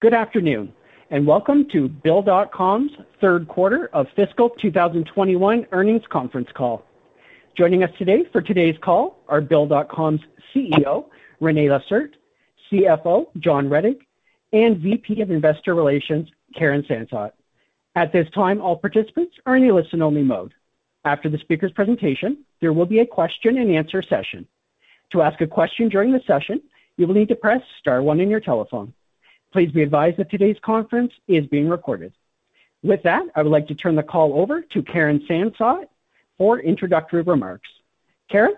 Good afternoon, welcome to Bill.com's third quarter of fiscal 2021 earnings conference call. Joining us today for today's call are Bill.com's CEO, René Lacerte, CFO, John Rettig, and VP of Investor Relations, Karen Sansot. At this time, all participants are in a listen only mode. After the speaker's presentation, there will be a question and answer session. To ask a question during the session, you will need to press star one on your telephone. Please be advised that today's conference is being recorded. I would like to turn the call over to Karen Sansot for introductory remarks. Karen?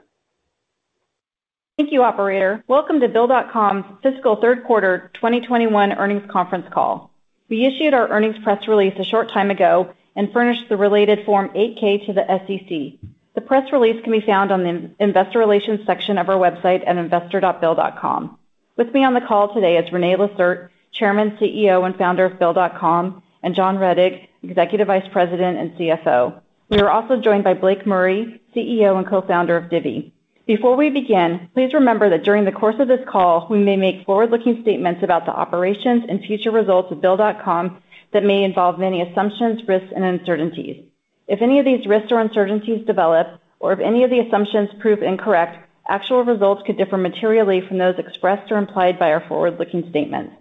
Thank you, operator. Welcome to Bill.com's fiscal third quarter 2021 earnings conference call. We issued our earnings press release a short time ago and furnished the related Form 8-K to the SEC. The press release can be found on the investor relations section of our website at investor.bill.com. With me on the call today is René Lacerte, Chairman, CEO, and Founder of Bill.com, and John Rettig, Executive Vice President and CFO. We are also joined by Blake Murray, CEO and Co-Founder of Divvy. Before we begin, please remember that during the course of this call, we may make forward-looking statements about the operations and future results of Bill.com that may involve many assumptions, risks, and uncertainties. If any of these risks or uncertainties develop, or if any of the assumptions prove incorrect, actual results could differ materially from those expressed or implied by our forward-looking statements.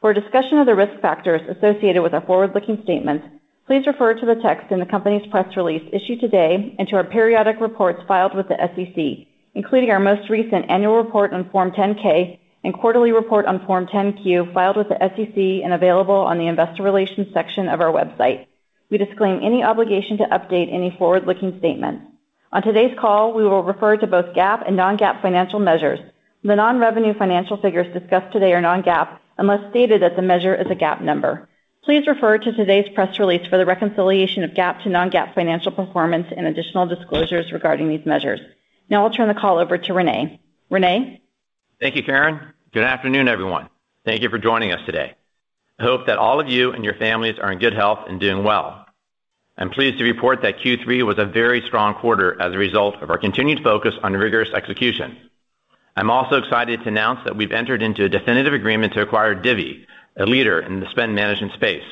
For a discussion of the risk factors associated with our forward-looking statements, please refer to the text in the company's press release issued today and to our periodic reports filed with the SEC, including our most recent annual report on Form 10-K and quarterly report on Form 10-Q filed with the SEC and available on the investor relations section of our website. We disclaim any obligation to update any forward-looking statement. On today's call, we will refer to both GAAP and non-GAAP financial measures. The non-revenue financial figures discussed today are non-GAAP, unless stated that the measure is a GAAP number. Please refer to today's press release for the reconciliation of GAAP to non-GAAP financial performance and additional disclosures regarding these measures. Now I'll turn the call over to René. René? Thank you, Karen. Good afternoon, everyone. Thank you for joining us today. I hope that all of you and your families are in good health and doing well. I'm pleased to report that Q3 was a very strong quarter as a result of our continued focus on rigorous execution. I'm also excited to announce that we've entered into a definitive agreement to acquire Divvy, a leader in the spend management space.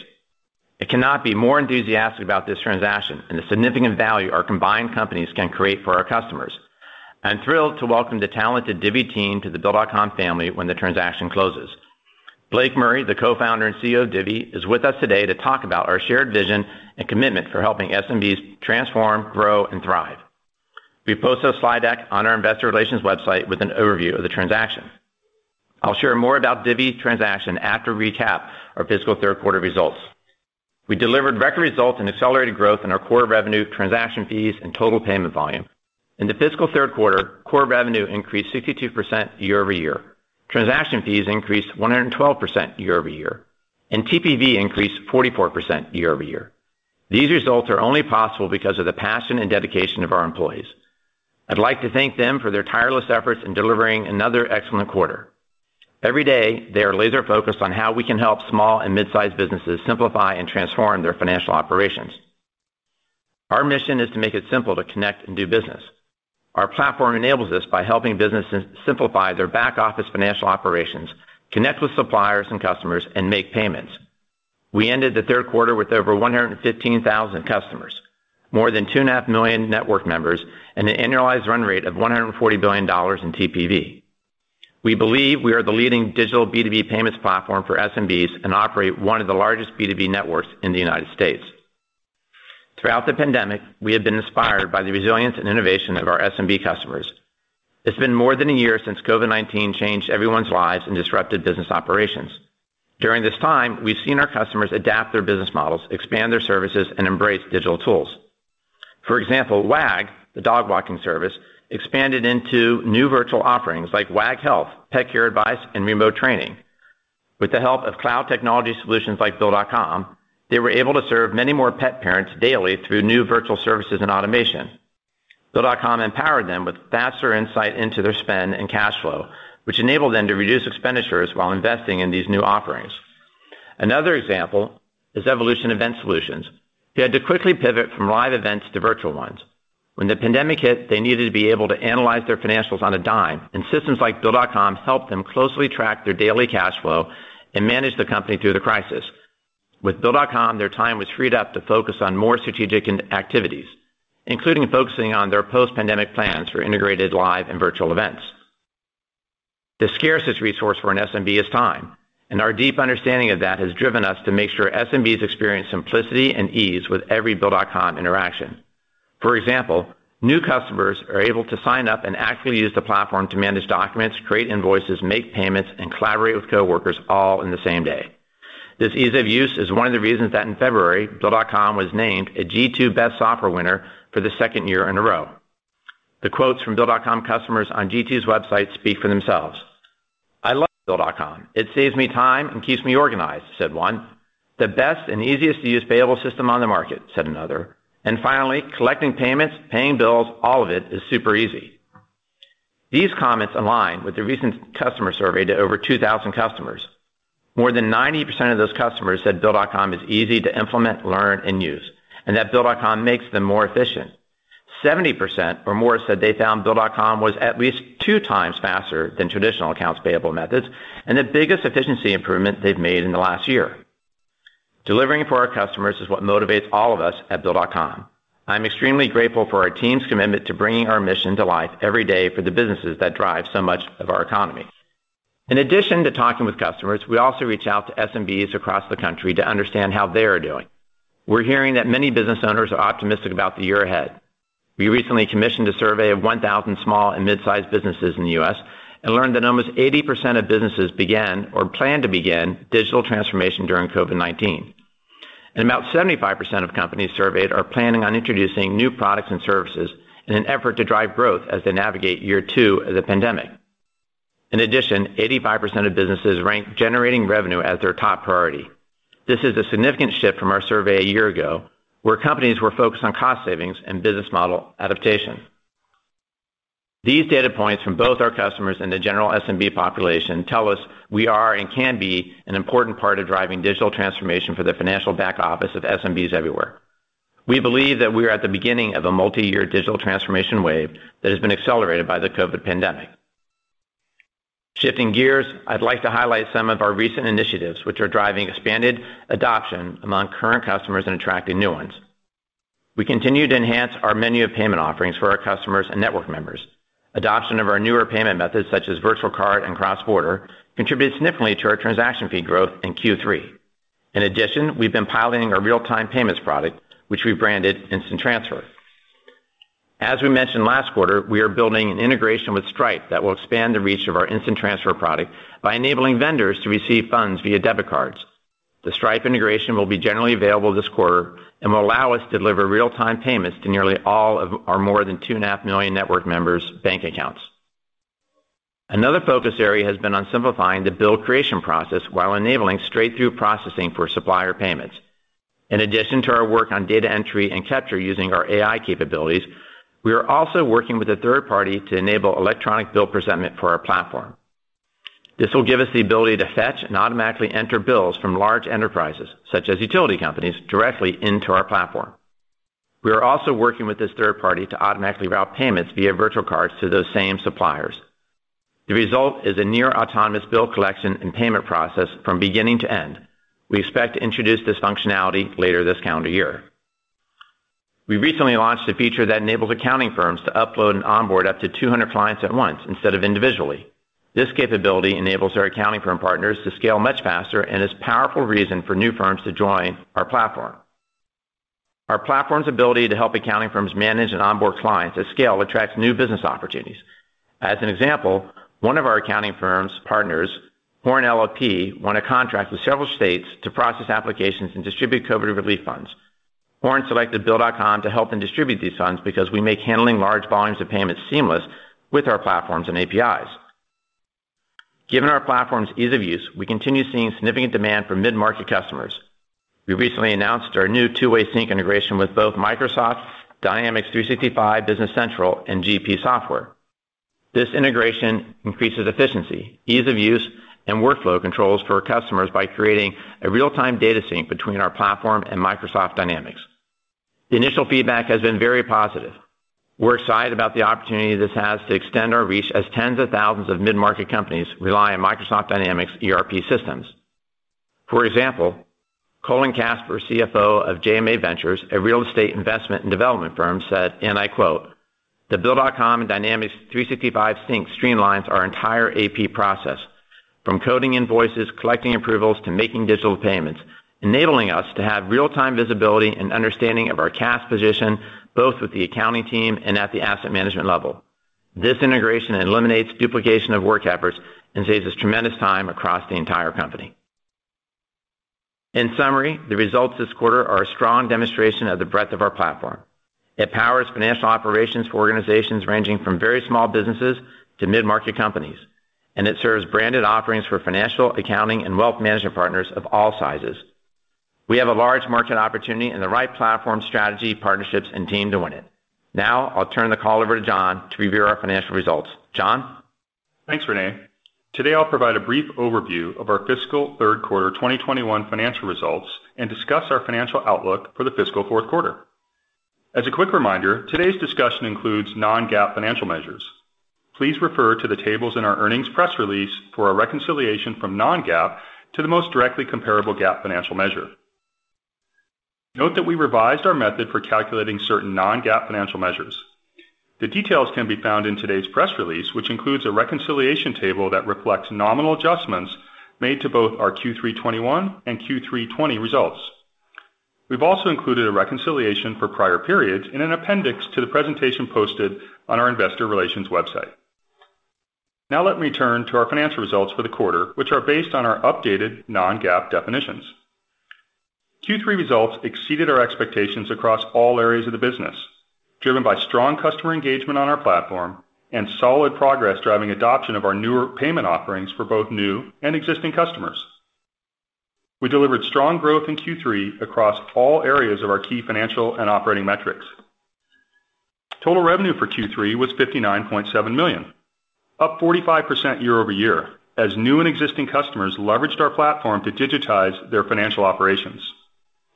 I cannot be more enthusiastic about this transaction and the significant value our combined companies can create for our customers. I'm thrilled to welcome the talented Divvy team to the Bill.com family when the transaction closes. Blake Murray, the Co-Founder and CEO of Divvy, is with us today to talk about our shared vision and commitment for helping SMBs transform, grow, and thrive. We've posted a slide deck on our investor relations website with an overview of the transaction. I'll share more about Divvy transaction after recap our fiscal third quarter results. We delivered record results and accelerated growth in our core revenue transaction fees and total payment volume. In the fiscal third quarter, core revenue increased 62% year-over-year. Transaction fees increased 112% year-over-year, and TPV increased 44% year-over-year. These results are only possible because of the passion and dedication of our employees. I'd like to thank them for their tireless efforts in delivering another excellent quarter. Every day, they are laser focused on how we can help small and mid-sized businesses simplify and transform their financial operations. Our mission is to make it simple to connect and do business. Our platform enables this by helping businesses simplify their back office financial operations, connect with suppliers and customers, and make payments. We ended the third quarter with over 115,000 customers, more than two and a half million network members, and an annualized run rate of $140 billion in TPV. We believe we are the leading digital B2B payments platform for SMBs and operate one of the largest B2B networks in the U.S. Throughout the pandemic, we have been inspired by the resilience and innovation of our SMB customers. It's been more than a year since COVID-19 changed everyone's lives and disrupted business operations. During this time, we've seen our customers adapt their business models, expand their services, and embrace digital tools. For example, Wag!, the dog walking service, expanded into new virtual offerings like Wag! Wellness, Pet Care Advice, and Remote Training. With the help of cloud technology solutions like Bill.com, they were able to serve many more pet parents daily through new virtual services and automation. Bill.com empowered them with faster insight into their spend and cash flow, which enabled them to reduce expenditures while investing in these new offerings. Another example is Evolution Event Solutions, who had to quickly pivot from live events to virtual ones. When the pandemic hit, they needed to be able to analyze their financials on a dime, and systems like Bill.com helped them closely track their daily cash flow and manage the company through the crisis. With Bill.com, their time was freed up to focus on more strategic activities, including focusing on their post-pandemic plans for integrated live and virtual events. The scarcest resource for an SMB is time, and our deep understanding of that has driven us to make sure SMBs experience simplicity and ease with every Bill.com interaction. For example, new customers are able to sign up and actually use the platform to manage documents, create invoices, make payments, and collaborate with coworkers all in the same day. This ease of use is one of the reasons that in February, Bill.com was named a G2 Best Software Winner for the second year in a row. The quotes from Bill.com customers on G2's website speak for themselves. "I love Bill.com. It saves me time and keeps me organized." said one. "The best and easiest to use payable system on the market," said another. Finally, "Collecting payments, paying bills, all of it is super easy." These comments align with the recent customer survey to over 2,000 customers. More than 90% of those customers said Bill.com is easy to implement, learn, and use, and that Bill.com makes them more efficient. 70% or more said they found Bill.com was at least two times faster than traditional accounts payable methods and the biggest efficiency improvement they've made in the last year. Delivering for our customers is what motivates all of us at Bill.com. I'm extremely grateful for our team's commitment to bringing our mission to life every day for the businesses that drive so much of our economy. In addition to talking with customers, we also reach out to SMBs across the country to understand how they are doing. We're hearing that many business owners are optimistic about the year ahead. We recently commissioned a survey of 1,000 small and mid-sized businesses in the U.S. and learned that almost 80% of businesses began or plan to begin digital transformation during COVID-19. About 75% of companies surveyed are planning on introducing new products and services in an effort to drive growth as they navigate year two of the pandemic. In addition, 85% of businesses rank generating revenue as their top priority. This is a significant shift from our survey a year ago, where companies were focused on cost savings and business model adaptation. These data points from both our customers and the general SMB population tell us we are and can be an important part of driving digital transformation for the financial back office of SMBs everywhere. We believe that we are at the beginning of a multi-year digital transformation wave that has been accelerated by the COVID pandemic. Shifting gears, I'd like to highlight some of our recent initiatives, which are driving expanded adoption among current customers and attracting new ones. We continue to enhance our menu of payment offerings for our customers and network members. Adoption of our newer payment methods, such as virtual card and cross-border, contributed significantly to our transaction fee growth in Q3. In addition, we've been piloting our real-time payments product, which we branded Instant Transfer. As we mentioned last quarter, we are building an integration with Stripe that will expand the reach of our Instant Transfer product by enabling vendors to receive funds via debit cards. The Stripe integration will be generally available this quarter and will allow us to deliver real-time payments to nearly all of our more than 2.5 million network members' bank accounts. Another focus area has been on simplifying the bill creation process while enabling straight-through processing for supplier payments. In addition to our work on data entry and capture using our AI capabilities, we are also working with a third party to enable electronic bill presentment for our platform. This will give us the ability to fetch and automatically enter bills from large enterprises, such as utility companies, directly into our platform. We are also working with this third party to automatically route payments via virtual cards to those same suppliers. The result is a near-autonomous bill collection and payment process from beginning to end. We expect to introduce this functionality later this calendar year. We recently launched a feature that enables accounting firms to upload and onboard up to 200 clients at once instead of individually. This capability enables our accounting firm partners to scale much faster and is a powerful reason for new firms to join our platform. Our platform's ability to help accounting firms manage and onboard clients at scale attracts new business opportunities. As an example, one of our accounting firms partners, Horne LLP, won a contract with several states to process applications and distribute COVID relief funds. Horne selected Bill.com to help them distribute these funds because we make handling large volumes of payments seamless with our platforms and APIs. Given our platform's ease of use, we continue seeing significant demand from mid-market customers. We recently announced our new two-way sync integration with both Microsoft Dynamics 365 Business Central and GP software. This integration increases efficiency, ease of use, and workflow controls for our customers by creating a real-time data sync between our platform and Microsoft Dynamics. The initial feedback has been very positive. We're excited about the opportunity this has to extend our reach as tens of thousands of mid-market companies rely on Microsoft Dynamics ERP systems. For example, Collin Casper, CFO of JMA Ventures, a real estate investment and development firm, said, and I quote, "The Bill.com and Dynamics 365 sync streamlines our entire AP process, from coding invoices, collecting approvals, to making digital payments, enabling us to have real-time visibility and understanding of our cash position, both with the accounting team and at the asset management level. This integration eliminates duplication of work efforts and saves us tremendous time across the entire company." In summary, the results this quarter are a strong demonstration of the breadth of our platform. It powers financial operations for organizations ranging from very small businesses to mid-market companies, and it serves branded offerings for financial, accounting, and wealth management partners of all sizes. We have a large market opportunity and the right platform strategy, partnerships, and team to win it. I'll turn the call over to John to review our financial results. John? Thanks, René. Today, I'll provide a brief overview of our fiscal third quarter 2021 financial results and discuss our financial outlook for the fiscal fourth quarter. As a quick reminder, today's discussion includes non-GAAP financial measures. Please refer to the tables in our earnings press release for a reconciliation from non-GAAP to the most directly comparable GAAP financial measure. Note that we revised our method for calculating certain non-GAAP financial measures. The details can be found in today's press release, which includes a reconciliation table that reflects nominal adjustments made to both our Q3 2021 and Q3 2020 results. We've also included a reconciliation for prior periods in an appendix to the presentation posted on our investor relations website. Let me turn to our financial results for the quarter, which are based on our updated non-GAAP definitions. Q3 results exceeded our expectations across all areas of the business, driven by strong customer engagement on our platform and solid progress driving adoption of our newer payment offerings for both new and existing customers. We delivered strong growth in Q3 across all areas of our key financial and operating metrics. Total revenue for Q3 was $59.7 million, up 45% year-over-year, as new and existing customers leveraged our platform to digitize their financial operations.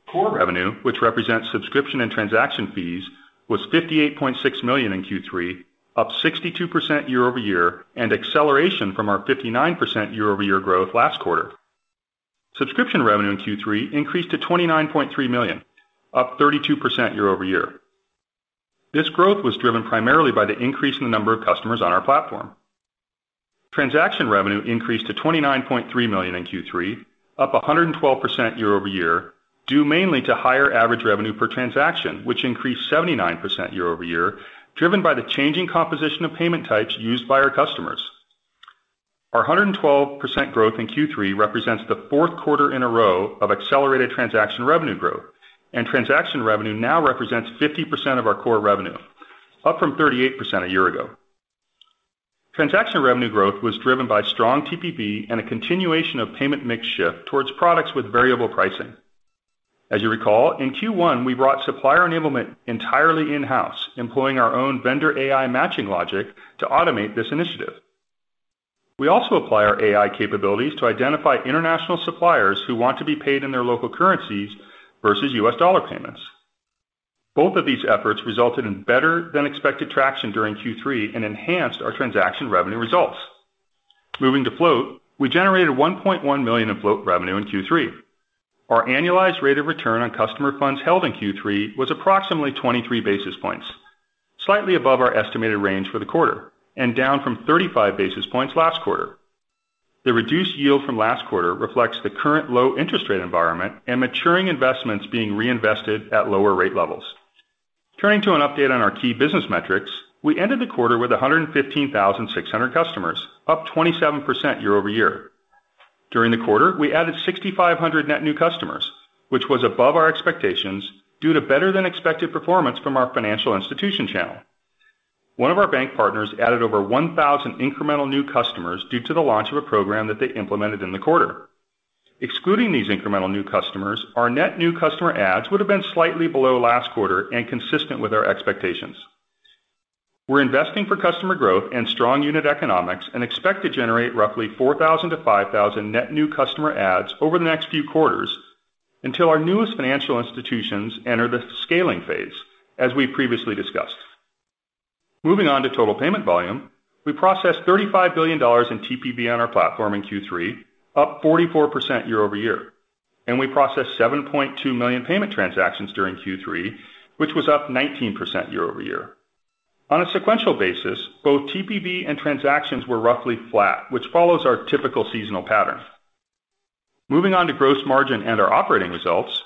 Core revenue, which represents subscription and transaction fees, was $58.6 million in Q3, up 62% year-over-year and acceleration from our 59% year-over-year growth last quarter. Subscription revenue in Q3 increased to $29.3 million, up 32% year-over-year. This growth was driven primarily by the increase in the number of customers on our platform. Transaction revenue increased to $29.3 million in Q3, up 112% year-over-year, due mainly to higher average revenue per transaction, which increased 79% year-over-year, driven by the changing composition of payment types used by our customers. Our 112% growth in Q3 represents the fourth quarter in a row of accelerated transaction revenue growth, and transaction revenue now represents 50% of our core revenue, up from 38% a year ago. Transaction revenue growth was driven by strong TPV and a continuation of payment mix shift towards products with variable pricing. As you recall, in Q1, we brought supplier enablement entirely in-house, employing our own vendor AI matching logic to automate this initiative. We also apply our AI capabilities to identify international suppliers who want to be paid in their local currencies versus USD payments. Both of these efforts resulted in better than expected traction during Q3 and enhanced our transaction revenue results. Moving to Float, we generated $1.1 million in Float revenue in Q3. Our annualized rate of return on customer funds held in Q3 was approximately 23 basis points, slightly above our estimated range for the quarter, and down from 35 basis points last quarter. The reduced yield from last quarter reflects the current low interest rate environment and maturing investments being reinvested at lower rate levels. Turning to an update on our key business metrics, we ended the quarter with 115,600 customers, up 27% year-over-year. During the quarter, we added 6,500 net new customers, which was above our expectations due to better than expected performance from our financial institution channel. One of our bank partners added over 1,000 incremental new customers due to the launch of a program that they implemented in the quarter. Excluding these incremental new customers, our net new customer adds would have been slightly below last quarter and consistent with our expectations. We're investing for customer growth and strong unit economics and expect to generate roughly 4,000 to 5,000 net new customer adds over the next few quarters until our newest financial institutions enter the scaling phase, as we previously discussed. Moving on to total payment volume, we processed $35 billion in TPV on our platform in Q3, up 44% year-over-year, and we processed 7.2 million payment transactions during Q3, which was up 19% year-over-year. On a sequential basis, both TPV and transactions were roughly flat, which follows our typical seasonal pattern. Moving on to gross margin and our operating results,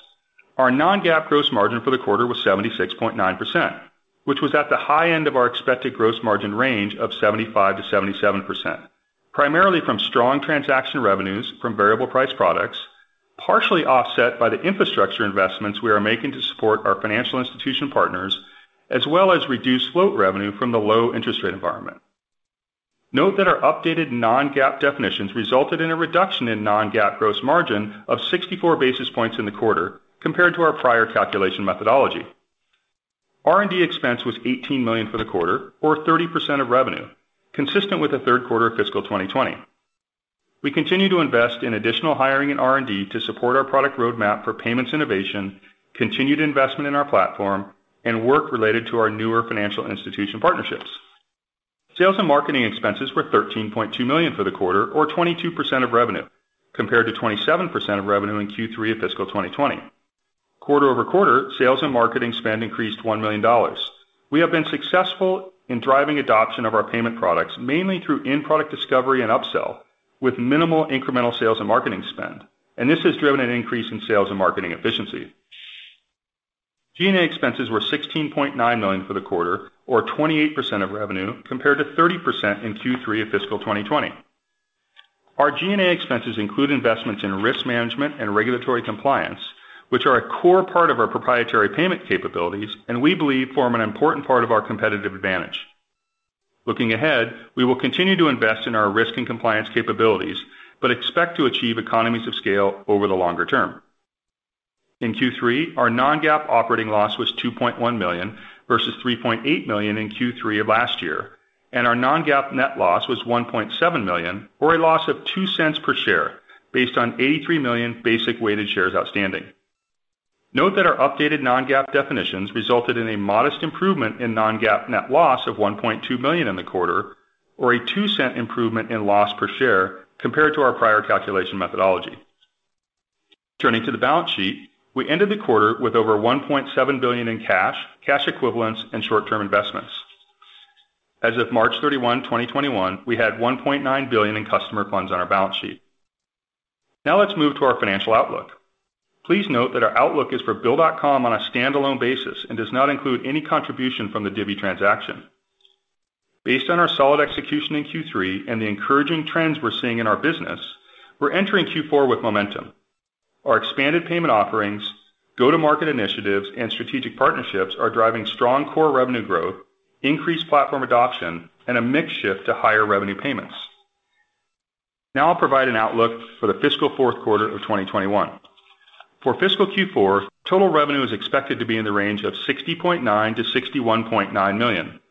our non-GAAP gross margin for the quarter was 76.9%, which was at the high end of our expected gross margin range of 75%-77%, primarily from strong transaction revenues from variable price products, partially offset by the infrastructure investments we are making to support our financial institution partners, as well as reduced float revenue from the low interest rate environment. Note that our updated non-GAAP definitions resulted in a reduction in non-GAAP gross margin of 64 basis points in the quarter compared to our prior calculation methodology. R&D expense was $18 million for the quarter, or 30% of revenue, consistent with the third quarter of fiscal 2020. We continue to invest in additional hiring in R&D to support our product roadmap for payments innovation, continued investment in our platform, and work related to our newer financial institution partnerships. Sales and marketing expenses were $13.2 million for the quarter, or 22% of revenue, compared to 27% of revenue in Q3 of fiscal 2020. Quarter-over-quarter, sales and marketing spend increased $1 million. We have been successful in driving adoption of our payment products mainly through in-product discovery and upsell with minimal incremental sales and marketing spend, and this has driven an increase in sales and marketing efficiency. G&A expenses were $16.9 million for the quarter, or 28% of revenue, compared to 30% in Q3 of fiscal 2020. Our G&A expenses include investments in risk management and regulatory compliance, which are a core part of our proprietary payment capabilities, and we believe form an important part of our competitive advantage. Looking ahead, we will continue to invest in our risk and compliance capabilities, but expect to achieve economies of scale over the longer term. In Q3, our non-GAAP operating loss was $2.1 million versus $3.8 million in Q3 of last year, and our non-GAAP net loss was $1.7 million, or a loss of $0.02 per share, based on 83 million basic weighted shares outstanding. Note that our updated non-GAAP definitions resulted in a modest improvement in non-GAAP net loss of $1.2 million in the quarter, or a $0.02 improvement in loss per share compared to our prior calculation methodology. Turning to the balance sheet, we ended the quarter with over $1.7 billion in cash equivalents, and short-term investments. As of March 31, 2021, we had $1.9 billion in customer funds on our balance sheet. Let's move to our financial outlook. Please note that our outlook is for Bill.com on a standalone basis and does not include any contribution from the Divvy transaction. Based on our solid execution in Q3 and the encouraging trends we're seeing in our business, we're entering Q4 with momentum. Our expanded payment offerings, go-to-market initiatives, and strategic partnerships are driving strong core revenue growth, increased platform adoption, and a mix shift to higher revenue payments. Now I'll provide an outlook for the fiscal fourth quarter of 2021. For fiscal Q4, total revenue is expected to be in the range of $60.9 million-$61.9 million.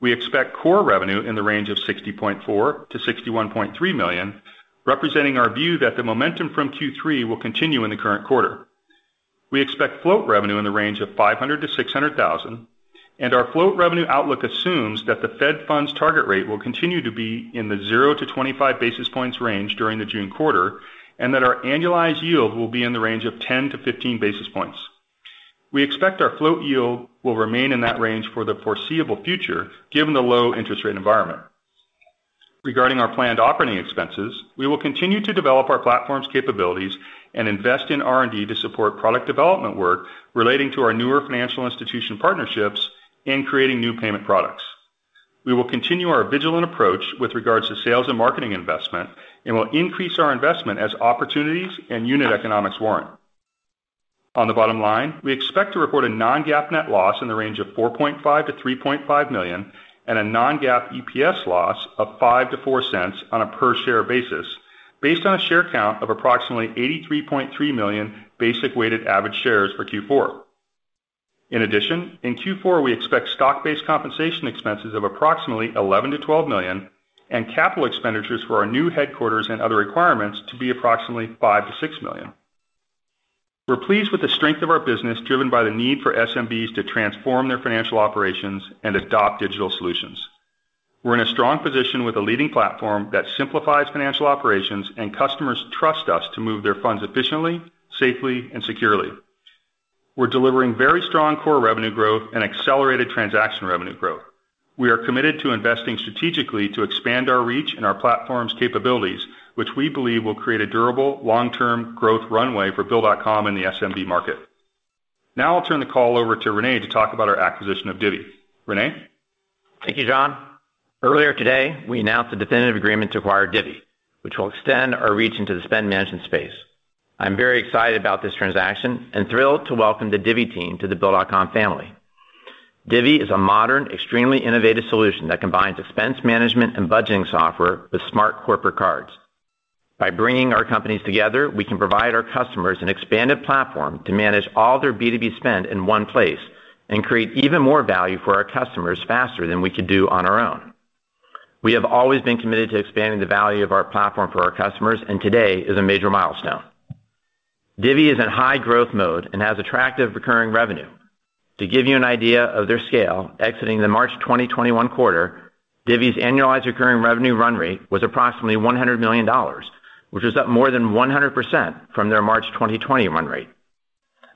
We expect core revenue in the range of $60.4 million-$61.3 million, representing our view that the momentum from Q3 will continue in the current quarter. We expect float revenue in the range of $500,000-$600,000, and our float revenue outlook assumes that the Fed funds target rate will continue to be in the 0-25 basis points range during the June quarter, and that our annualized yield will be in the range of 10-15 basis points. We expect our float yield will remain in that range for the foreseeable future, given the low interest rate environment. Regarding our planned operating expenses, we will continue to develop our platform's capabilities and invest in R&D to support product development work relating to our newer financial institution partnerships in creating new payment products. We will continue our vigilant approach with regards to sales and marketing investment, and will increase our investment as opportunities and unit economics warrant. On the bottom line, we expect to report a non-GAAP net loss in the range of $4.5 million-$3.5 million, and a non-GAAP EPS loss of $0.05-$0.04 on a per share basis based on a share count of approximately 83.3 million basic weighted average shares for Q4. In addition, in Q4, we expect stock-based compensation expenses of approximately $11 million-$12 million and capital expenditures for our new headquarters and other requirements to be approximately $5 million-$6 million. We're pleased with the strength of our business, driven by the need for SMBs to transform their financial operations and adopt digital solutions. We're in a strong position with a leading platform that simplifies financial operations, and customers trust us to move their funds efficiently, safely, and securely. We're delivering very strong core revenue growth and accelerated transaction revenue growth. We are committed to investing strategically to expand our reach and our platform's capabilities, which we believe will create a durable, long-term growth runway for Bill.com in the SMB market. I'll turn the call over to René to talk about our acquisition of Divvy. René? Thank you, John. Earlier today, we announced a definitive agreement to acquire Divvy, which will extend our reach into the spend management space. I'm very excited about this transaction and thrilled to welcome the Divvy team to the Bill.com family. Divvy is a modern, extremely innovative solution that combines expense management and budgeting software with smart corporate cards. By bringing our companies together, we can provide our customers an expanded platform to manage all their B2B spend in one place and create even more value for our customers faster than we could do on our own. We have always been committed to expanding the value of our platform for our customers, and today is a major milestone. Divvy is in high growth mode and has attractive recurring revenue. To give you an idea of their scale, exiting the March 2021 quarter, Divvy's annualized recurring revenue run rate was approximately $100 million, which was up more than 100% from their March 2020 run rate.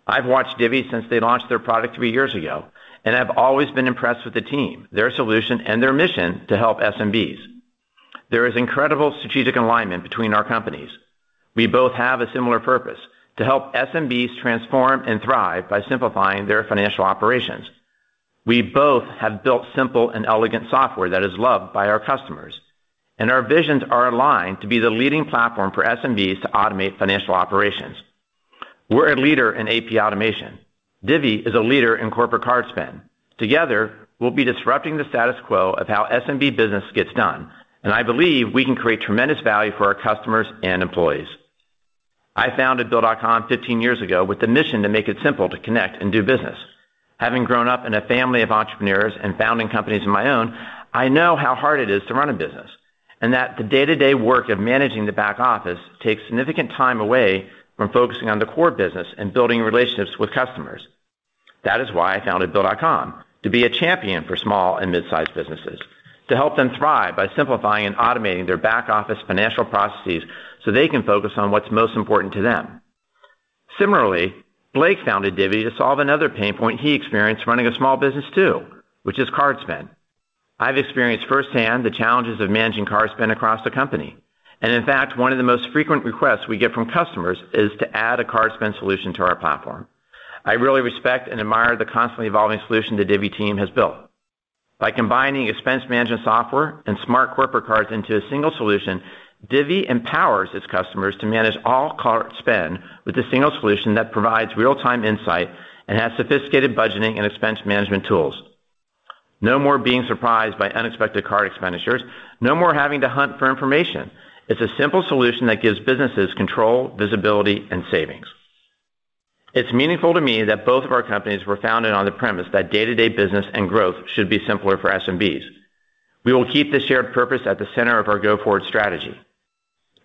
I've watched Divvy since they launched their product three years ago, and have always been impressed with the team, their solution, and their mission to help SMBs. There is incredible strategic alignment between our companies. We both have a similar purpose, to help SMBs transform and thrive by simplifying their financial operations. We both have built simple and elegant software that is loved by our customers, and our visions are aligned to be the leading platform for SMBs to automate financial operations. We're a leader in AP automation. Divvy is a leader in corporate card spend. Together, we'll be disrupting the status quo of how SMB business gets done, and I believe we can create tremendous value for our customers and employees. I founded Bill.com 15 years ago with the mission to make it simple to connect and do business. Having grown up in a family of entrepreneurs and founding companies of my own, I know how hard it is to run a business, and that the day-to-day work of managing the back office takes significant time away from focusing on the core business and building relationships with customers. That is why I founded Bill.com, to be a champion for small and mid-sized businesses, to help them thrive by simplifying and automating their back office financial processes so they can focus on what's most important to them. Similarly, Blake founded Divvy to solve another pain point he experienced running a small business too, which is card spend. I've experienced firsthand the challenges of managing card spend across the company. In fact, one of the most frequent requests we get from customers is to add a card spend solution to our platform. I really respect and admire the constantly evolving solution the Divvy team has built. By combining expense management software and smart corporate cards into a single solution, Divvy empowers its customers to manage all card spend with a single solution that provides real-time insight and has sophisticated budgeting and expense management tools. No more being surprised by unexpected card expenditures. No more having to hunt for information. It's a simple solution that gives businesses control, visibility, and savings. It's meaningful to me that both of our companies were founded on the premise that day-to-day business and growth should be simpler for SMBs. We will keep this shared purpose at the center of our go-forward strategy.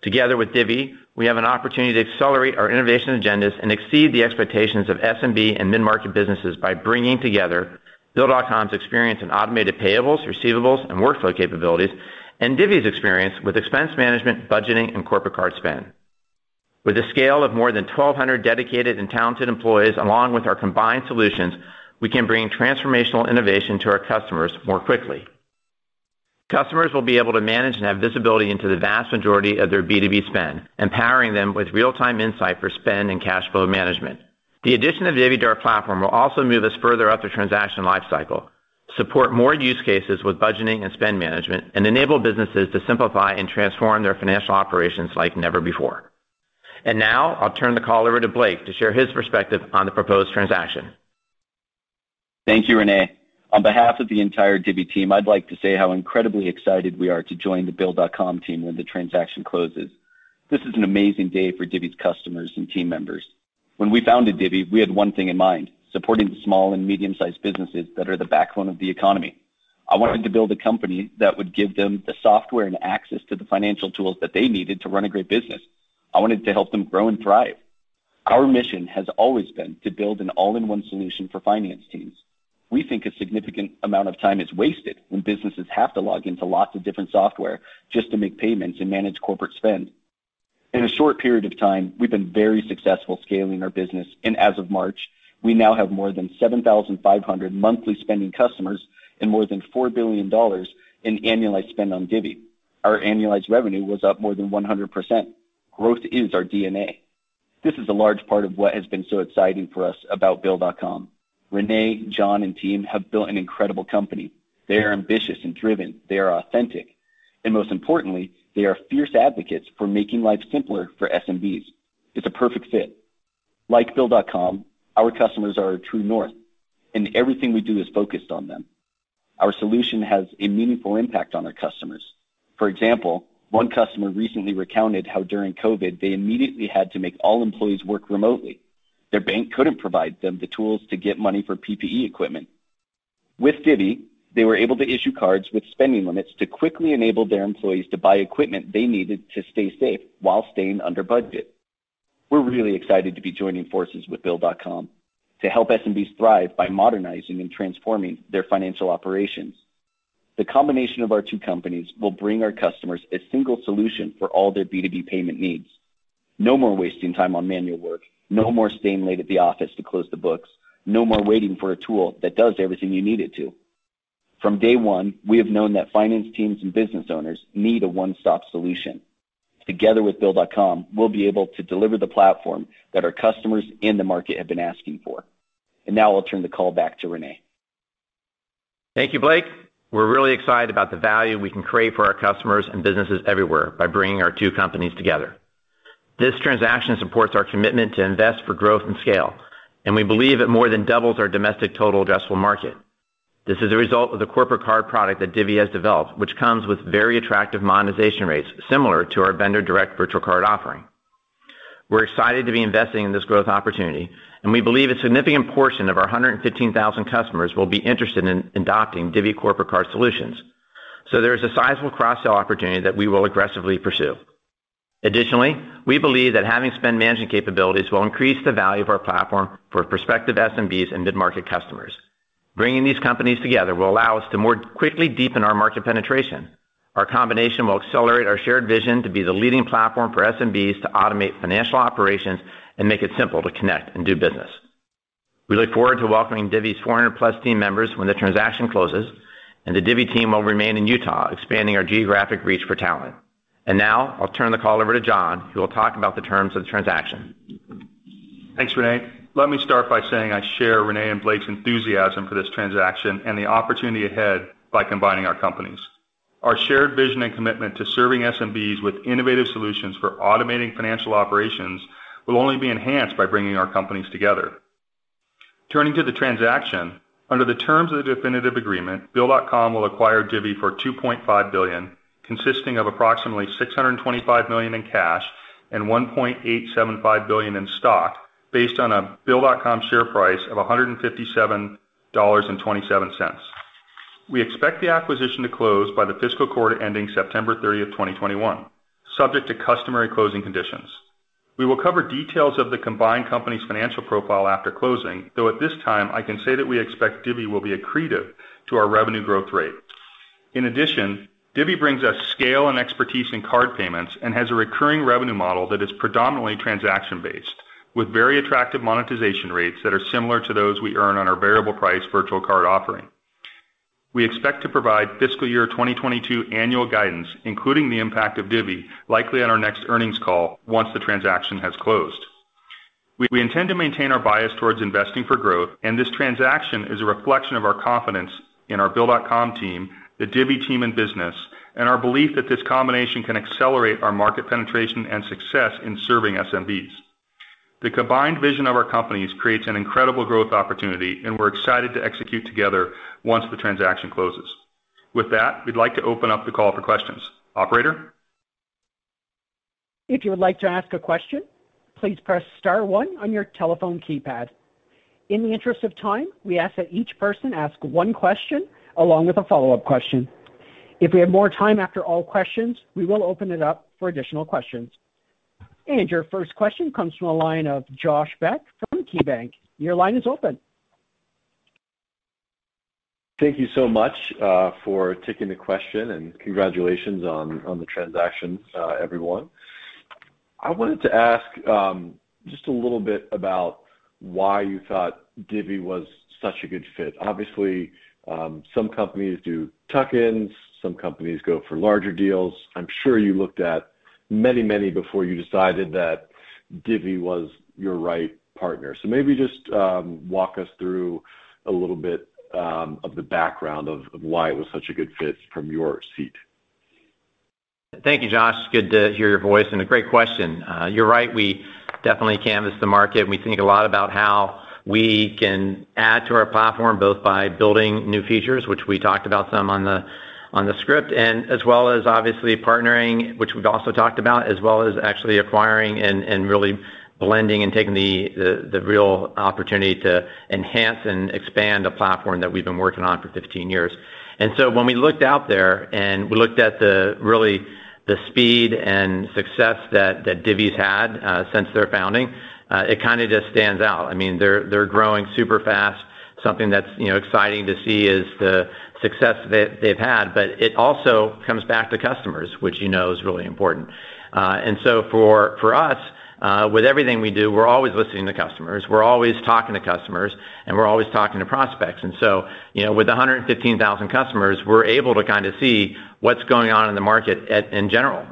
Together with Divvy, we have an opportunity to accelerate our innovation agendas and exceed the expectations of SMB and mid-market businesses by bringing together Bill.com's experience in automated payables, receivables, and workflow capabilities, and Divvy's experience with expense management, budgeting, and corporate card spend. With a scale of more than 1,200 dedicated and talented employees, along with our combined solutions, we can bring transformational innovation to our customers more quickly. Customers will be able to manage and have visibility into the vast majority of their B2B spend, empowering them with real-time insight for spend and cash flow management. The addition of Divvy to our platform will also move us further up the transaction lifecycle, support more use cases with budgeting and spend management, and enable businesses to simplify and transform their financial operations like never before. Now I'll turn the call over to Blake to share his perspective on the proposed transaction. Thank you, René. On behalf of the entire Divvy team, I'd like to say how incredibly excited we are to join the Bill.com team when the transaction closes. This is an amazing day for Divvy's customers and team members. When we founded Divvy, we had one thing in mind, supporting the small and medium-sized businesses that are the backbone of the economy. I wanted to build a company that would give them the software and access to the financial tools that they needed to run a great business. I wanted to help them grow and thrive. Our mission has always been to build an all-in-one solution for finance teams. We think a significant amount of time is wasted when businesses have to log into lots of different software just to make payments and manage corporate spend. In a short period of time, we've been very successful scaling our business, and as of March, we now have more than 7,500 monthly spending customers and more than $4 billion in annualized spend on Divvy. Our annualized revenue was up more than 100%. Growth is our DNA. This is a large part of what has been so exciting for us about Bill.com. René, John, and team have built an incredible company. They are ambitious and driven. They are authentic. Most importantly, they are fierce advocates for making life simpler for SMBs. It's a perfect fit. Like Bill.com, our customers are our true north, and everything we do is focused on them. Our solution has a meaningful impact on our customers. For example, one customer recently recounted how during COVID-19, they immediately had to make all employees work remotely. Their bank couldn't provide them the tools to get money for PPE equipment. With Divvy, they were able to issue cards with spending limits to quickly enable their employees to buy equipment they needed to stay safe while staying under budget. We're really excited to be joining forces with Bill.com to help SMBs thrive by modernizing and transforming their financial operations. The combination of our two companies will bring our customers a single solution for all their B2B payment needs. No more wasting time on manual work. No more staying late at the office to close the books. No more waiting for a tool that does everything you need it to. From day one, we have known that finance teams and business owners need a one-stop solution. Together with Bill.com, we'll be able to deliver the platform that our customers in the market have been asking for. Now I'll turn the call back to René. Thank you, Blake. We're really excited about the value we can create for our customers and businesses everywhere by bringing our two companies together. This transaction supports our commitment to invest for growth and scale, and we believe it more than doubles our domestic total addressable market. This is a result of the corporate card product that Divvy has developed, which comes with very attractive monetization rates similar to our Vendor Direct virtual card offering. We're excited to be investing in this growth opportunity, and we believe a significant portion of our 115,000 customers will be interested in adopting Divvy corporate card solutions. There is a sizable cross-sell opportunity that we will aggressively pursue. Additionally, we believe that having spend managing capabilities will increase the value of our platform for prospective SMBs and mid-market customers. Bringing these companies together will allow us to more quickly deepen our market penetration. Our combination will accelerate our shared vision to be the leading platform for SMBs to automate financial operations and make it simple to connect and do business. We look forward to welcoming Divvy's 400+ team members when the transaction closes, the Divvy team will remain in Utah, expanding our geographic reach for talent. Now I'll turn the call over to John, who will talk about the terms of the transaction. Thanks, René. Let me start by saying I share René and Blake's enthusiasm for this transaction and the opportunity ahead by combining our companies. Our shared vision and commitment to serving SMBs with innovative solutions for automating financial operations will only be enhanced by bringing our companies together. Turning to the transaction, under the terms of the definitive agreement, Bill.com will acquire Divvy for $2.5 billion, consisting of approximately $625 million in cash and $1.875 billion in stock based on a Bill.com share price of $157.27. We expect the acquisition to close by the fiscal quarter ending September 30th, 2021, subject to customary closing conditions. We will cover details of the combined company's financial profile after closing, though at this time, I can say that we expect Divvy will be accretive to our revenue growth rate. In addition, Divvy brings us scale and expertise in card payments and has a recurring revenue model that is predominantly transaction-based, with very attractive monetization rates that are similar to those we earn on our variable price virtual card offering. We expect to provide fiscal year 2022 annual guidance, including the impact of Divvy, likely on our next earnings call once the transaction has closed. This transaction is a reflection of our confidence in our Bill.com team, the Divvy team and business, and our belief that this combination can accelerate our market penetration and success in serving SMBs. The combined vision of our companies creates an incredible growth opportunity, and we're excited to execute together once the transaction closes. With that, we'd like to open up the call for questions. Operator? If you would like to ask a question, please press star one on your telephone keypad. In the interest of time, we ask that each person ask one question along with a follow-up question. If we have more time after all questions, we will open it up for additional questions. Your first question comes from the line of Josh Beck from KeyBanc. Your line is open. Thank you so much for taking the question, and congratulations on the transaction, everyone. I wanted to ask just a little bit about why you thought Divvy was such a good fit. Obviously, some companies do tuck-ins, some companies go for larger deals. I'm sure you looked at many before you decided that Divvy was your right partner. Maybe just walk us through a little bit of the background of why it was such a good fit from your seat. Thank you, Josh. Good to hear your voice and a great question. You're right, we definitely canvassed the market, and we think a lot about how we can add to our platform, both by building new features, which we talked about some on the script, and as well as obviously partnering, which we've also talked about, as well as actually acquiring and really blending and taking the real opportunity to enhance and expand a platform that we've been working on for 15 years. When we looked out there and we looked at the really, the speed and success that Divvy's had since their founding, it just stands out. They're growing super fast. Something that's exciting to see is the success that they've had, but it also comes back to customers, which you know is really important. For us, with everything we do, we're always listening to customers, we're always talking to customers, and we're always talking to prospects. With 115,000 customers, we're able to see what's going on in the market in general.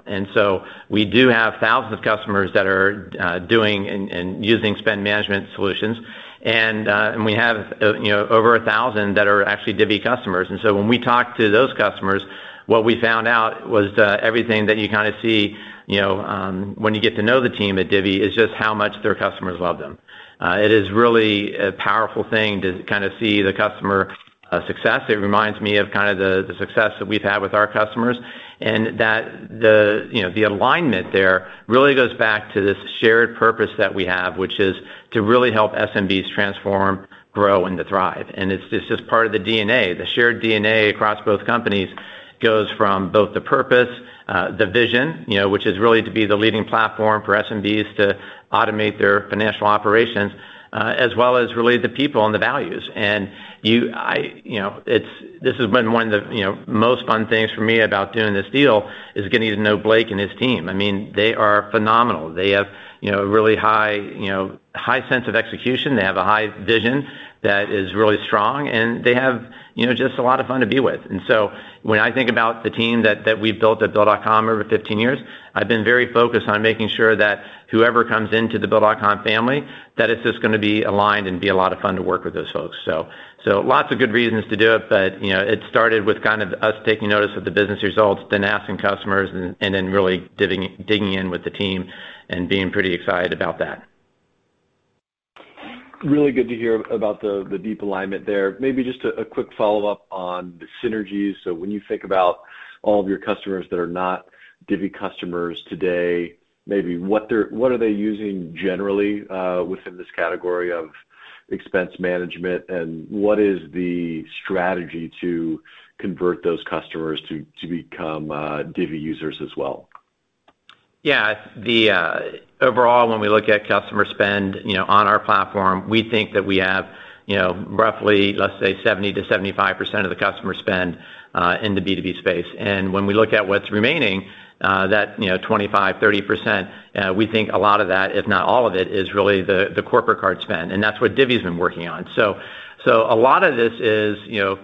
We do have thousands of customers that are doing and using spend management solutions. We have over a thousand that are actually Divvy customers. When we talk to those customers, what we found out was that everything that you see, when you get to know the team at Divvy, is just how much their customers love them. It is really a powerful thing to see the customer success. It reminds me of the success that we've had with our customers, and that the alignment there really goes back to this shared purpose that we have, which is to really help SMBs transform, grow, and to thrive. It's just part of the DNA. The shared DNA across both companies goes from both the purpose, the vision, which is really to be the leading platform for SMBs to automate their financial operations, as well as really the people and the values. This has been one of the most fun things for me about doing this deal, is getting to know Blake and his team. They are phenomenal. They have really high sense of execution. They have a high vision that is really strong, and they have just a lot of fun to be with. When I think about the team that we've built at Bill.com over 15 years, I've been very focused on making sure that whoever comes into the Bill.com family, that it's just going to be aligned and be a lot of fun to work with those folks. Lots of good reasons to do it, but it started with us taking notice of the business results, then asking customers, and then really digging in with the team and being pretty excited about that. Really good to hear about the deep alignment there. Maybe just a quick follow-up on the synergies. When you think about all of your customers that are not Divvy customers today, maybe what are they using generally, within this category of expense management, and what is the strategy to convert those customers to become Divvy users as well? Yeah. Overall, when we look at customer spend on our platform, we think that we have roughly, let's say, 70%-75% of the customer spend in the B2B space. When we look at what's remaining, that 25%, 30%, we think a lot of that, if not all of it, is really the corporate card spend, and that's what Divvy's been working on. A lot of this is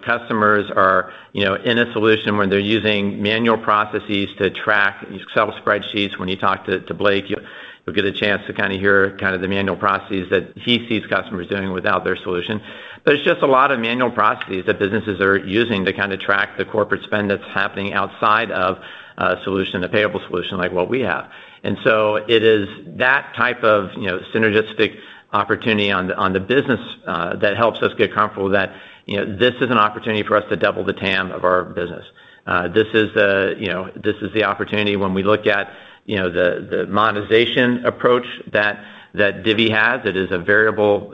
customers are in a solution where they're using manual processes to track Excel spreadsheets. When you talk to Blake, you'll get a chance to hear the manual processes that he sees customers doing without their solution. It's just a lot of manual processes that businesses are using to track the corporate spend that's happening outside of a solution, the payable solution like what we have. It is that type of synergistic opportunity on the business, that helps us get comfortable that this is an opportunity for us to double the TAM of our business. This is the opportunity when we look at the monetization approach that Divvy has. It is a variable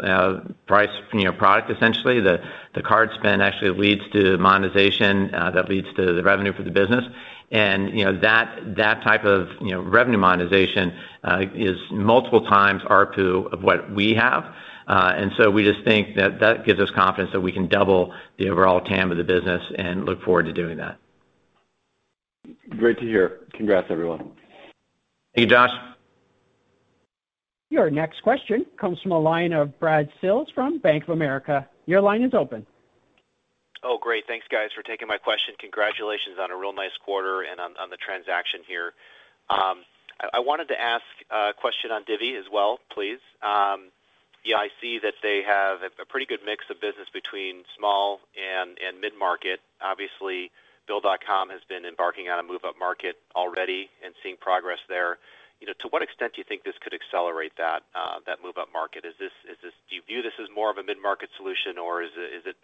price product, essentially. The card spend actually leads to monetization, that leads to the revenue for the business. That type of revenue monetization is multiple times ARPU of what we have. We just think that that gives us confidence that we can double the overall TAM of the business and look forward to doing that. Great to hear. Congrats, everyone. Thank you, Josh. Your next question comes from the line of Brad Sills from Bank of America. Your line is open. Oh, great. Thanks, guys, for taking my question. Congratulations on a real nice quarter and on the transaction here. I wanted to ask a question on Divvy as well, please. I see that they have a pretty good mix of business between small and mid-market. Obviously, Bill.com has been embarking on a move-upmarket already and seeing progress there. To what extent do you think this could accelerate that move-upmarket? Do you view this as more of a mid-market solution, or is it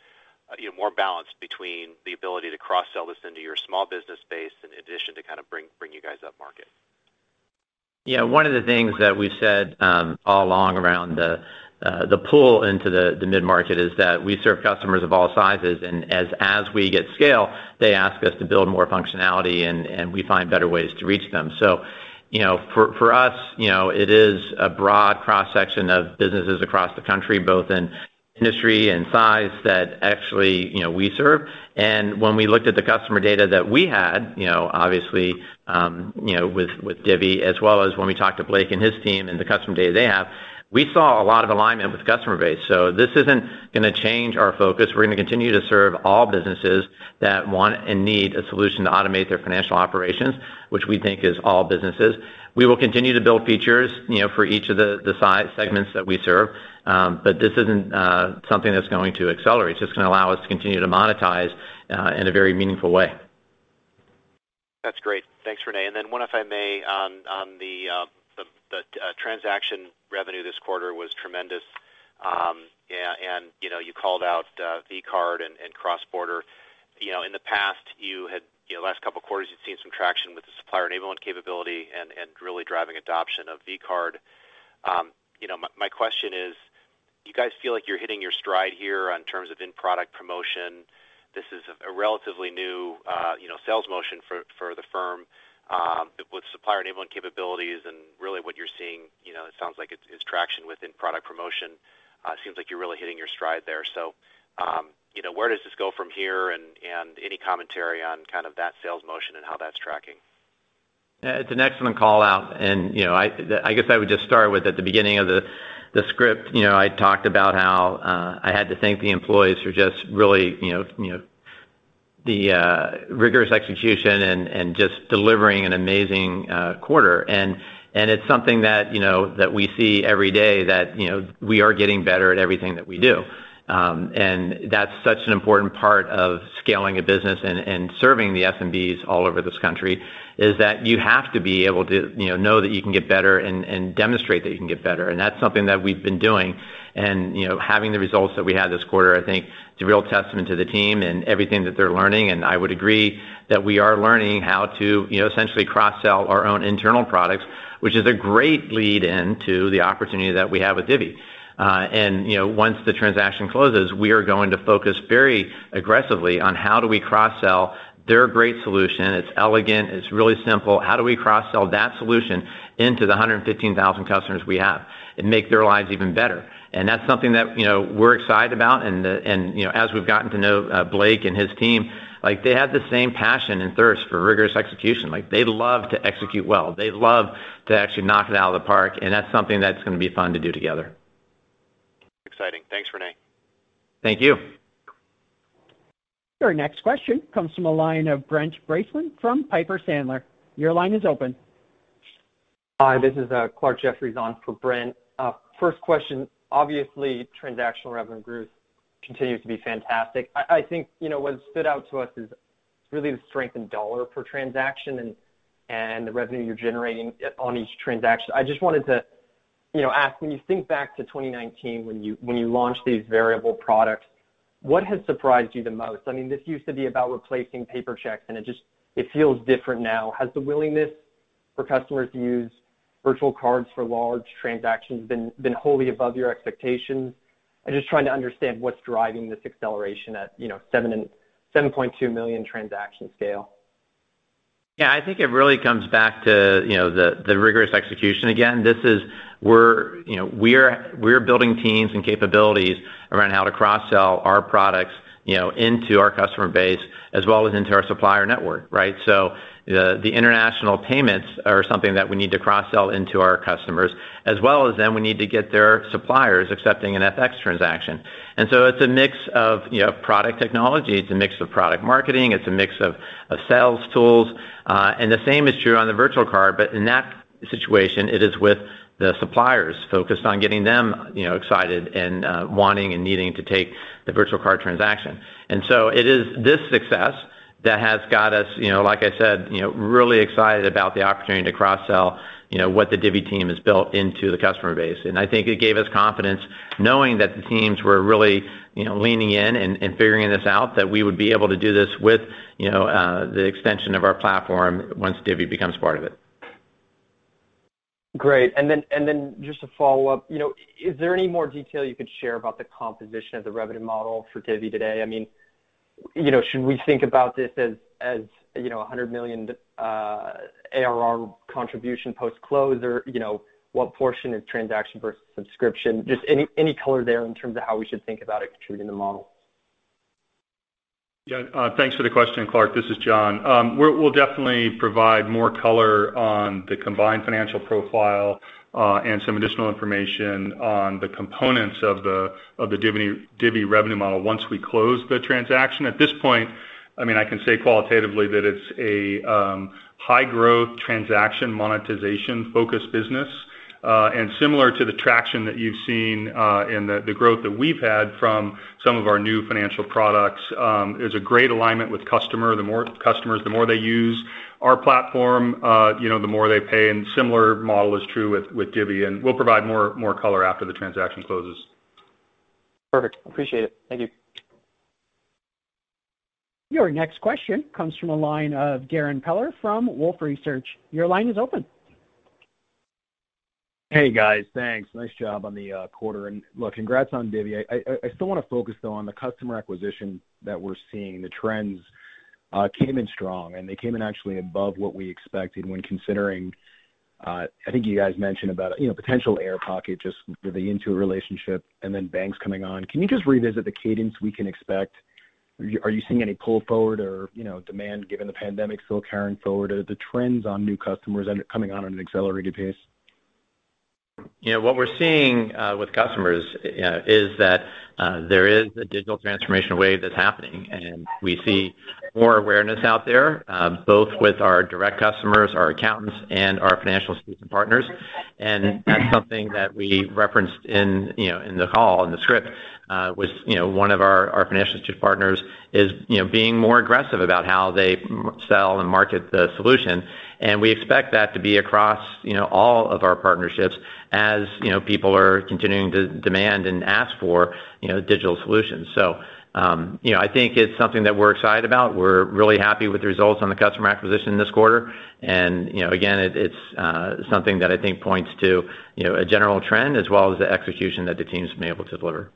more balanced between the ability to cross-sell this into your small business base in addition to bring you guys upmarket? Yeah, one of the things that we've said all along around the pull into the mid-market is that we serve customers of all sizes, and as we get scale, they ask us to build more functionality, and we find better ways to reach them. For us, it is a broad cross-section of businesses across the country, both in industry and size that actually we serve. When we looked at the customer data that we had, obviously, with Divvy, as well as when we talked to Blake and his team and the customer data they have, we saw a lot of alignment with customer base. This isn't going to change our focus. We're going to continue to serve all businesses that want and need a solution to automate their financial operations, which we think is all businesses. We will continue to build features for each of the size segments that we serve. This isn't something that's going to accelerate. It's just going to allow us to continue to monetize in a very meaningful way. That's great. Thanks, René. Then one, if I may, on the transaction revenue this quarter was tremendous. You called out vCard and cross-border. In the past couple of quarters, you've seen some traction with the supplier enablement capability and really driving adoption of vCard. My question is, do you guys feel like you're hitting your stride here in terms of in-product promotion? This is a relatively new sales motion for the firm with supplier enablement capabilities and really what you're seeing, it sounds like it's traction within product promotion. It seems like you're really hitting your stride there. Where does this go from here? Any commentary on that sales motion and how that's tracking? Yeah. It's an excellent call-out. I guess I would just start with at the beginning of the script, I talked about how I had to thank the employees for just really the rigorous execution and just delivering an amazing quarter. It's something that we see every day that we are getting better at everything that we do. That's such an important part of scaling a business and serving the SMBs all over this country, is that you have to be able to know that you can get better and demonstrate that you can get better. That's something that we've been doing. Having the results that we had this quarter, I think, is a real testament to the team and everything that they're learning. I would agree that we are learning how to essentially cross-sell our own internal products, which is a great lead-in to the opportunity that we have with Divvy. Once the transaction closes, we are going to focus very aggressively on how do we cross-sell their great solution. It's elegant, it's really simple. How do we cross-sell that solution into the 115,000 customers we have and make their lives even better? That's something that we're excited about, and as we've gotten to know Blake and his team, they have the same passion and thirst for rigorous execution. They love to execute well. They love to actually knock it out of the park, and that's something that's going to be fun to do together. Exciting. Thanks, René. Thank you. Your next question comes from the line of Brent Bracelin from Piper Sandler. Your line is open. Hi, this is Clarke Jeffries on for Brent. First question, obviously, transactional revenue growth continues to be fantastic. I think what stood out to us is really the strength in $ per transaction and the revenue you're generating on each transaction. I just wanted to ask, when you think back to 2019 when you launched these variable products, what has surprised you the most? This used to be about replacing paper checks. It feels different now. Has the willingness for customers to use virtual cards for large transactions been wholly above your expectations? I'm just trying to understand what's driving this acceleration at 7.2 million transaction scale. Yeah, I think it really comes back to the rigorous execution again. We're building teams and capabilities around how to cross-sell our products into our customer base as well as into our supplier network, right? The international payments are something that we need to cross-sell into our customers, as well as then we need to get their suppliers accepting an FX transaction. It's a mix of product technology, it's a mix of product marketing, it's a mix of sales tools. The same is true on the virtual card, but in that situation, it is with the suppliers focused on getting them excited and wanting and needing to take the virtual card transaction. It is this success that has got us, like I said, really excited about the opportunity to cross-sell what the Divvy team has built into the customer base. I think it gave us confidence knowing that the teams were really leaning in and figuring this out, that we would be able to do this with the extension of our platform once Divvy becomes part of it. Great. Just a follow-up. Is there any more detail you could share about the composition of the revenue model for Divvy today? Should we think about this as $100 million ARR contribution post-close? What portion is transaction versus subscription? Just any color there in terms of how we should think about it contributing the model. Yeah. Thanks for the question, Clarke. This is John. We'll definitely provide more color on the combined financial profile, and some additional information on the components of the Divvy revenue model once we close the transaction. At this point, I can say qualitatively that it's a high-growth transaction monetization-focused business. Similar to the traction that you've seen, and the growth that we've had from some of our new financial products, there's a great alignment with customer. The more customers, the more they use our platform, the more they pay, and similar model is true with Divvy, and we'll provide more color after the transaction closes. Perfect. Appreciate it. Thank you. Your next question comes from the line of Darrin Peller from Wolfe Research. Your line is open. Hey, guys. Thanks. Nice job on the quarter. Look, congrats on Divvy. I still want to focus, though, on the customer acquisition that we're seeing. The trends came in strong, and they came in actually above what we expected when considering, I think you guys mentioned about potential air pocket just with the Intuit relationship and then banks coming on. Can you just revisit the cadence we can expect? Are you seeing any pull forward or demand given the pandemic still carrying forward? Are the trends on new customers coming on at an accelerated pace? What we're seeing with customers is that there is a digital transformation wave that's happening, and we see more awareness out there, both with our direct customers, our accountants, and our financial partners. That's something that we referenced in the call, in the script, was one of our financial partners is being more aggressive about how they sell and market the solution. We expect that to be across all of our partnerships, as people are continuing to demand and ask for digital solutions. I think it's something that we're excited about. We're really happy with the results on the customer acquisition this quarter. Again, it's something that I think points to a general trend as well as the execution that the teams have been able to deliver.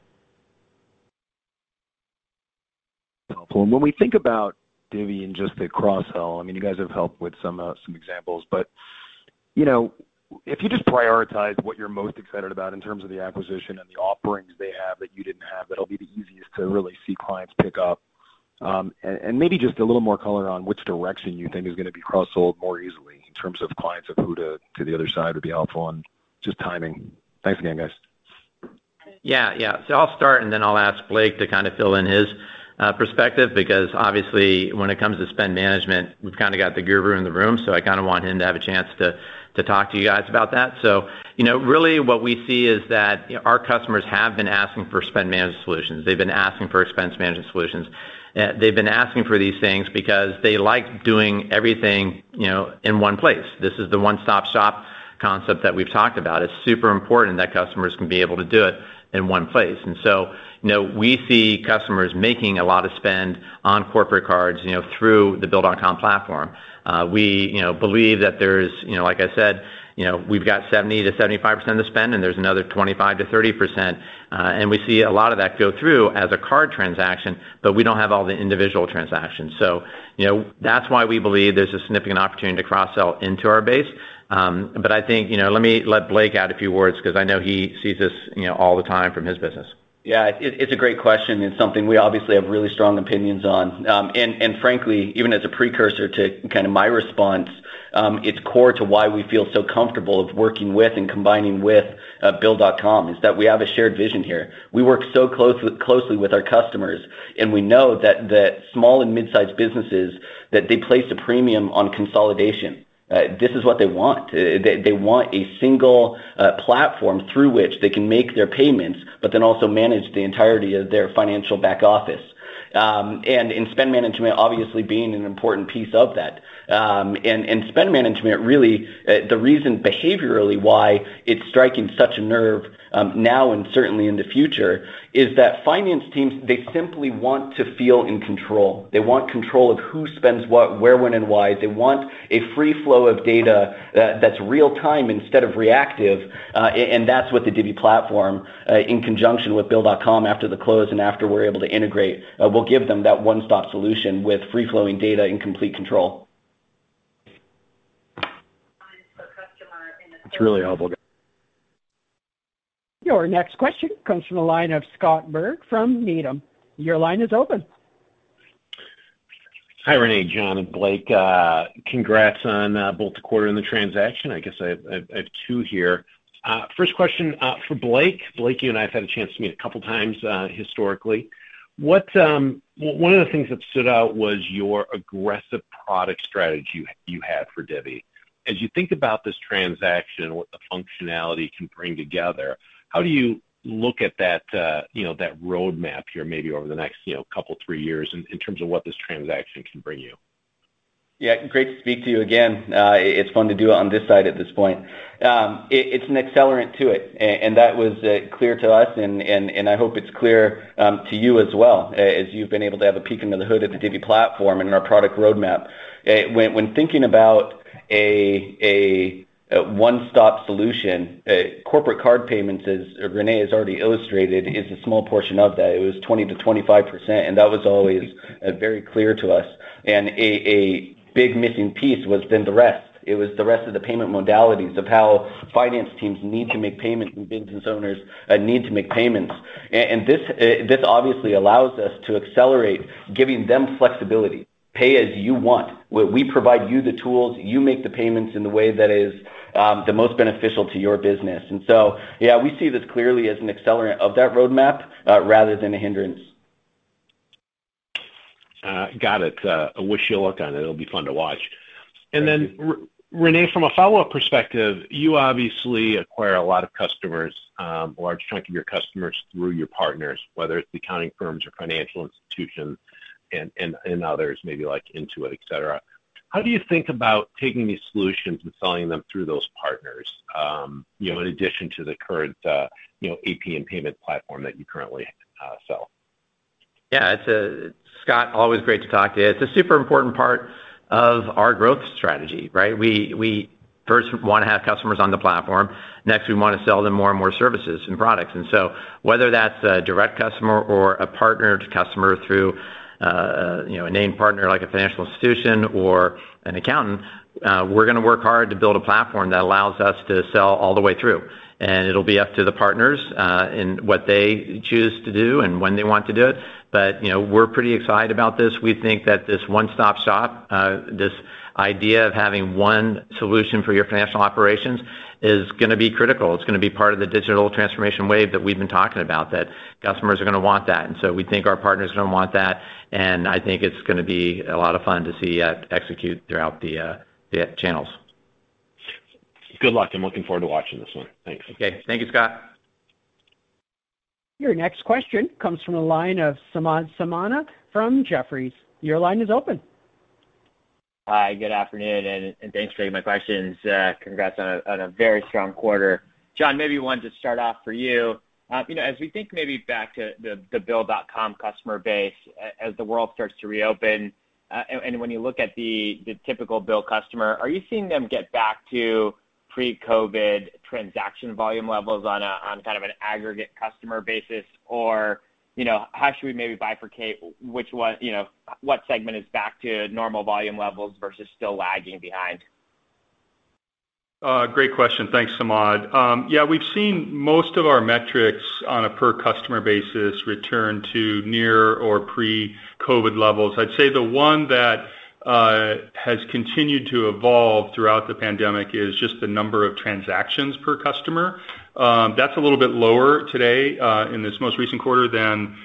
Helpful. When we think about Divvy and just the cross-sell, you guys have helped with some examples, but if you just prioritize what you're most excited about in terms of the acquisition and the offerings they have that you didn't have, that'll be the easiest to really see clients pick up. Maybe just a little more color on which direction you think is going to be cross-sold more easily in terms of clients of who to the other side would be helpful, and just timing. Thanks again, guys. I'll start, and then I'll ask Blake to fill in his perspective because obviously when it comes to spend management, we've got the guru in the room, so I want him to have a chance to talk to you guys about that. Really what we see is that our customers have been asking for spend management solutions. They've been asking for expense management solutions. They've been asking for these things because they like doing everything in one place. This is the one-stop shop concept that we've talked about. It's super important that customers can be able to do it in one place. We see customers making a lot of spend on corporate cards through the Bill.com platform. We believe that, like I said, we've got 70%-75% of spend, and there's another 25%-30%, and we see a lot of that go through as a card transaction, but we don't have all the individual transactions. That's why we believe there's a significant opportunity to cross-sell into our base, but let me let Blake add a few words, because I know he sees this all the time from his business. Yeah. It's a great question, and something we obviously have really strong opinions on. Frankly, even as a precursor to my response, it's core to why we feel so comfortable with working with and combining with Bill.com is that we have a shared vision here. We work so closely with our customers, and we know that small and mid-size businesses, that they place a premium on consolidation. This is what they want. They want a single platform through which they can make their payments, but then also manage the entirety of their financial back office. Spend management obviously being an important piece of that. Spend management, really, the reason behaviorally why it's striking such a nerve, now and certainly in the future, is that finance teams, they simply want to feel in control. They want control of who spends what, where, when, and why. They want a free flow of data that's real-time instead of reactive, and that's what the Divvy platform, in conjunction with Bill.com after the close and after we're able to integrate, will give them that one-stop solution with free-flowing data and complete control. It's really helpful, guys. Your next question comes from the line of Scott Berg from Needham. Your line is open. Hi, René, John, and Blake. Congrats on both the quarter and the transaction. I guess I have two here. First question for Blake. Blake, you and I have had a chance to meet a couple of times historically. One of the things that stood out was your aggressive product strategy you had for Divvy. As you think about this transaction, what the functionality can bring together, how do you look at that roadmap here, maybe over the next couple, three years in terms of what this transaction can bring you? Yeah. Great to speak to you again. It's fun to do it on this side at this point. It's an accelerant to it, and that was clear to us, and I hope it's clear to you as well, as you've been able to have a peek under the hood at the Divvy platform and our product roadmap. When thinking about a one-stop solution, corporate card payments, as René has already illustrated, is a small portion of that. It was 20%-25%, and that was always very clear to us. A big missing piece was then the rest. It was the rest of the payment modalities of how finance teams need to make payments, and business owners need to make payments. This obviously allows us to accelerate giving them flexibility. Pay as you want. We provide you the tools, you make the payments in the way that is the most beneficial to your business. Yeah, we see this clearly as an accelerant of that roadmap rather than a hindrance. Got it. I wish you luck on it. It'll be fun to watch. Thank you. Then René, from a follow-up perspective, you obviously acquire a lot of customers, a large chunk of your customers through your partners, whether it's accounting firms or financial institutions, and others maybe like Intuit, et cetera. How do you think about taking these solutions and selling them through those partners, in addition to the current AP and payment platform that you currently sell? Yeah. Scott, always great to talk to you. It's a super important part of our growth strategy, right? We first want to have customers on the platform. Next, we want to sell them more and more services and products. Whether that's a direct customer or a partner to customer through a named partner like a financial institution or an accountant, we're going to work hard to build a platform that allows us to sell all the way through. It'll be up to the partners in what they choose to do and when they want to do it. We're pretty excited about this. We think that this one-stop shop, this idea of having one solution for your financial operations, is going to be critical. It's going to be part of the digital transformation wave that we've been talking about, that customers are going to want that. We think our partners are going to want that, and I think it's going to be a lot of fun to see that execute throughout the channels. Good luck. I'm looking forward to watching this one. Thanks. Okay. Thank you, Scott. Your next question comes from the line of Samad Samana from Jefferies. Your line is open. Hi, good afternoon, and thanks for taking my questions. Congrats on a very strong quarter. John, maybe one to start off for you. As we think maybe back to the Bill.com customer base, as the world starts to reopen, when you look at the typical Bill customer, are you seeing them get back to pre-COVID transaction volume levels on an aggregate customer basis? How should we maybe bifurcate what segment is back to normal volume levels versus still lagging behind? Great question. Thanks, Samad. Yeah, we've seen most of our metrics on a per customer basis return to near or pre-COVID levels. I'd say the one that has continued to evolve throughout the pandemic is just the number of transactions per customer. That's a little bit lower today, in this most recent quarter, than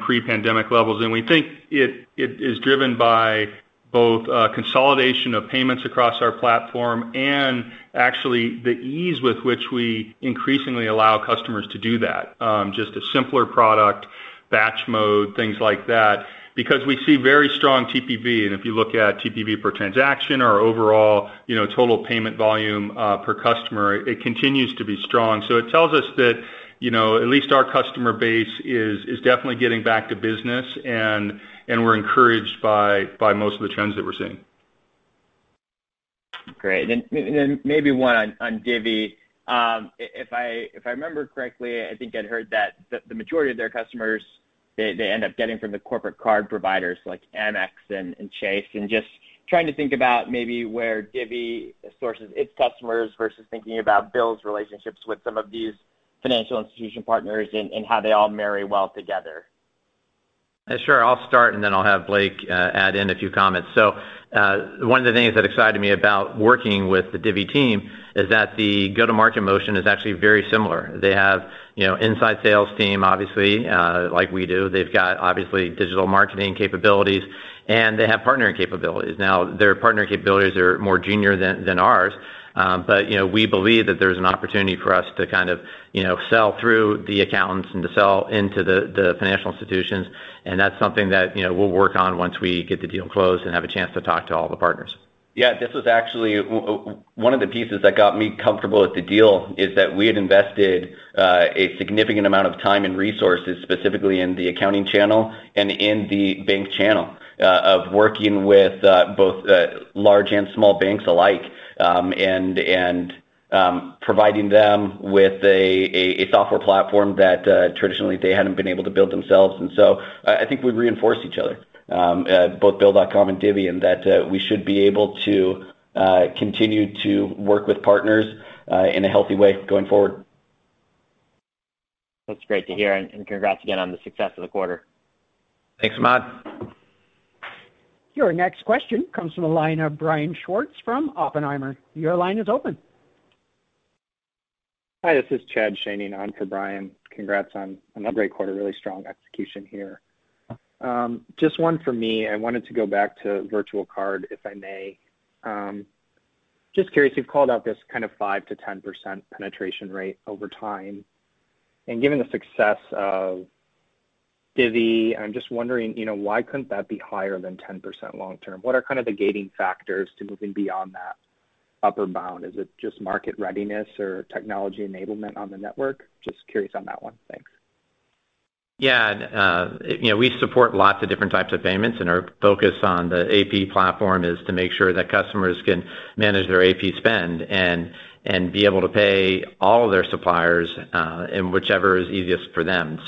pre-pandemic levels. We think it is driven by both consolidation of payments across our platform and actually the ease with which we increasingly allow customers to do that. Just a simpler product, batch mode, things like that, because we see very strong TPV. If you look at TPV per transaction or overall total payment volume per customer, it continues to be strong. It tells us that at least our customer base is definitely getting back to business, and we're encouraged by most of the trends that we're seeing. Great. Maybe one on Divvy. If I remember correctly, I think I'd heard that the majority of their customers, they end up getting from the corporate card providers like Amex and Chase. Trying to think about maybe where Divvy sources its customers versus thinking about Bill's relationships with some of these financial institution partners and how they all marry well together. Sure. I'll start, and then I'll have Blake add in a few comments. One of the things that excited me about working with the Divvy team is that the go-to-market motion is actually very similar. They have inside sales team, obviously, like we do. They've got, obviously, digital marketing capabilities, and they have partnering capabilities. Now, their partnering capabilities are more junior than ours. We believe that there's an opportunity for us to sell through the accountants and to sell into the financial institutions, and that's something that we'll work on once we get the deal closed and have a chance to talk to all the partners. Yeah, this was actually one of the pieces that got me comfortable with the deal is that we had invested a significant amount of time and resources, specifically in the accounting channel and in the bank channel, of working with both large and small banks alike, and providing them with a software platform that traditionally they hadn't been able to build themselves. I think we reinforce each other, both Bill.com and Divvy, in that we should be able to continue to work with partners in a healthy way going forward. That's great to hear, and congrats again on the success of the quarter. Thanks, Samad. Your next question comes from the line of Brian Schwartz from Oppenheimer. Hi, this is Chad Schoening on for Brian. Congrats on another great quarter. Really strong execution here. Just one for me. I wanted to go back to virtual card, if I may. Just curious, you've called out this 5%-10% penetration rate over time, and given the success of Divvy, I'm just wondering, why couldn't that be higher than 10% long term? What are the gating factors to moving beyond that upper bound? Is it just market readiness or technology enablement on the network? Just curious on that one. Thanks. Yeah. We support lots of different types of payments, and our focus on the AP platform is to make sure that customers can manage their AP spend and be able to pay all of their suppliers in whichever is easiest for them.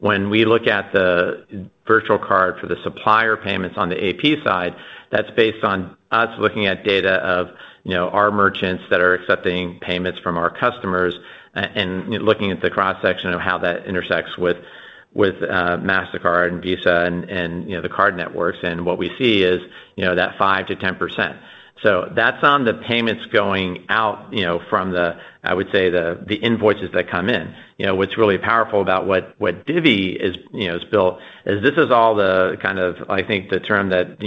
When we look at the virtual card for the supplier payments on the AP side, that's based on us looking at data of our merchants that are accepting payments from our customers and looking at the cross-section of how that intersects with Mastercard and Visa and the card networks. What we see is that 5%-10%. That's on the payments going out from the, I would say, the invoices that come in. What's really powerful about what Divvy has built is this is all the, I think the term that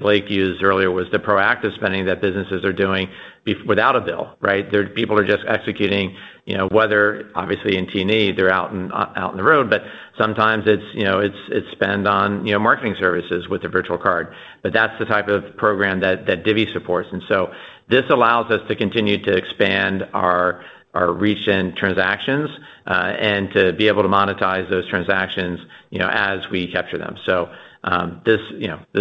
Blake used earlier was the proactive spending that businesses are doing without a bill, right? People are just executing, whether obviously in T&E, they're out on the road, but sometimes it's spend on marketing services with the virtual card. That's the type of program that Divvy supports. This allows us to continue to expand our reach and transactions, and to be able to monetize those transactions as we capture them. This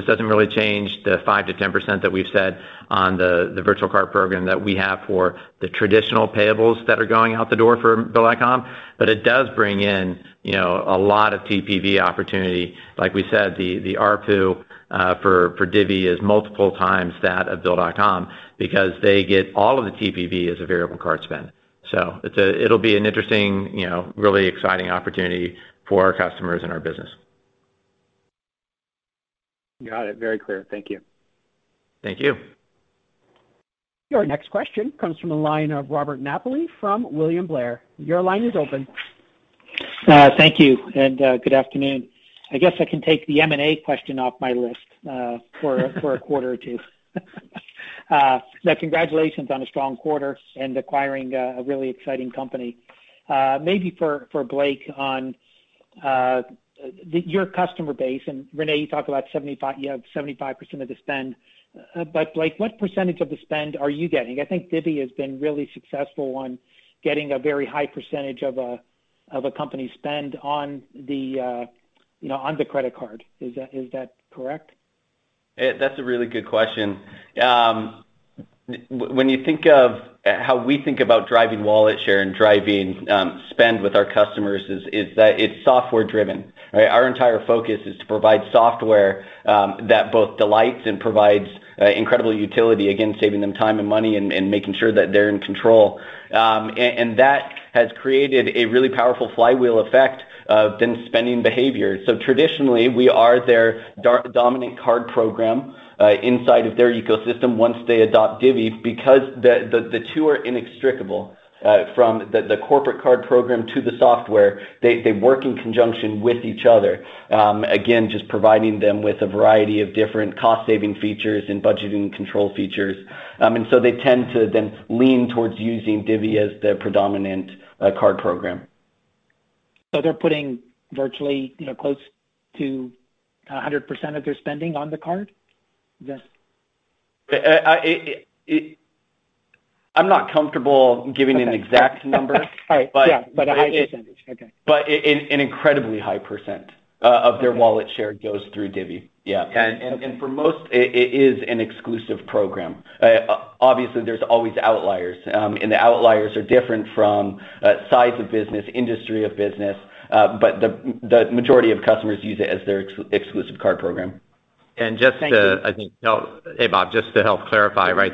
doesn't really change the 5%-10% that we've said on the virtual card program that we have for the traditional payables that are going out the door for Bill.com, but it does bring in a lot of TPV opportunity. We said, the ARPU for Divvy is multiple times that of Bill.com because they get all of the TPV as a virtual card spend. It'll be an interesting, really exciting opportunity for our customers and our business. Got it. Very clear. Thank you. Thank you. Your next question comes from the line of Robert Napoli from William Blair. Your line is open. Thank you, and good afternoon. I guess I can take the M&A question off my list for a quarter or two. Congratulations on a strong quarter and acquiring a really exciting company. Maybe for Blake, on your customer base, and René, you talked about you have 75% of the spend, but Blake, what percentage of the spend are you getting? I think Divvy has been really successful on getting a very high percentage of a company spend on the credit card. Is that correct? That's a really good question. You think of how we think about driving wallet share and driving spend with our customers is that it's software driven, right? Our entire focus is to provide software that both delights and provides incredible utility, again, saving them time and money and making sure that they're in control. That has created a really powerful flywheel effect of then spending behavior. Traditionally, we are their dominant card program inside of their ecosystem once they adopt Divvy because the two are inextricable from the corporate card program to the software. They work in conjunction with each other, again, just providing them with a variety of different cost-saving features and budgeting control features. They tend to then lean towards using Divvy as their predominant card program. They're putting virtually close to 100% of their spending on the card? Is that? I'm not comfortable giving an exact number. All right. Yeah, a high percentage. Okay. An incredibly high % of their wallet share goes through Divvy, yeah. For most, it is an exclusive program. Obviously, there's always outliers, and the outliers are different from size of business, industry of business, but the majority of customers use it as their exclusive card program. Just to, I think, hey, Bob, just to help clarify, right?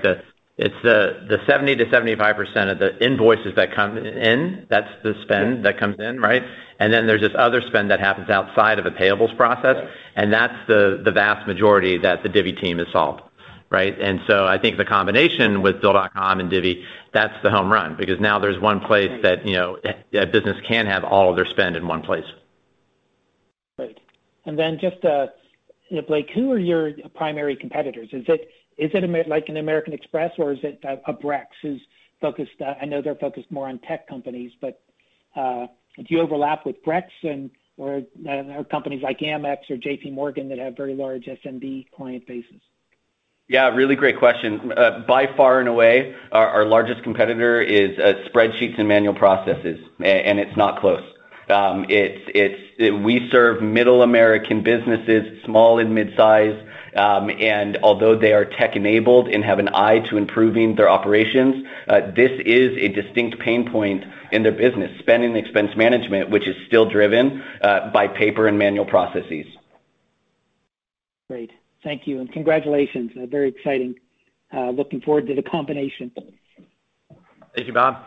It's the 70%-75% of the invoices that come in, that's the spend that comes in, right? Then there's this other spend that happens outside of a payables process, and that's the vast majority that the Divvy team has solved, right? So I think the combination with Bill.com and Divvy, that's the home run, because now there's one place that a business can have all of their spend in one place. Right. Just, Blake, who are your primary competitors? Is it like an American Express, or is it a Brex? I know they're focused more on tech companies, do you overlap with Brex or companies like Amex or JPMorgan that have very large SMB client bases? Yeah, really great question. By far and away, our largest competitor is spreadsheets and manual processes, and it's not close. We serve middle American businesses, small and mid-size, and although they are tech-enabled and have an eye to improving their operations, this is a distinct pain point in their business, spending expense management, which is still driven by paper and manual processes. Great. Thank you, and congratulations. Very exciting, looking forward to the combination. Thank you, Bob.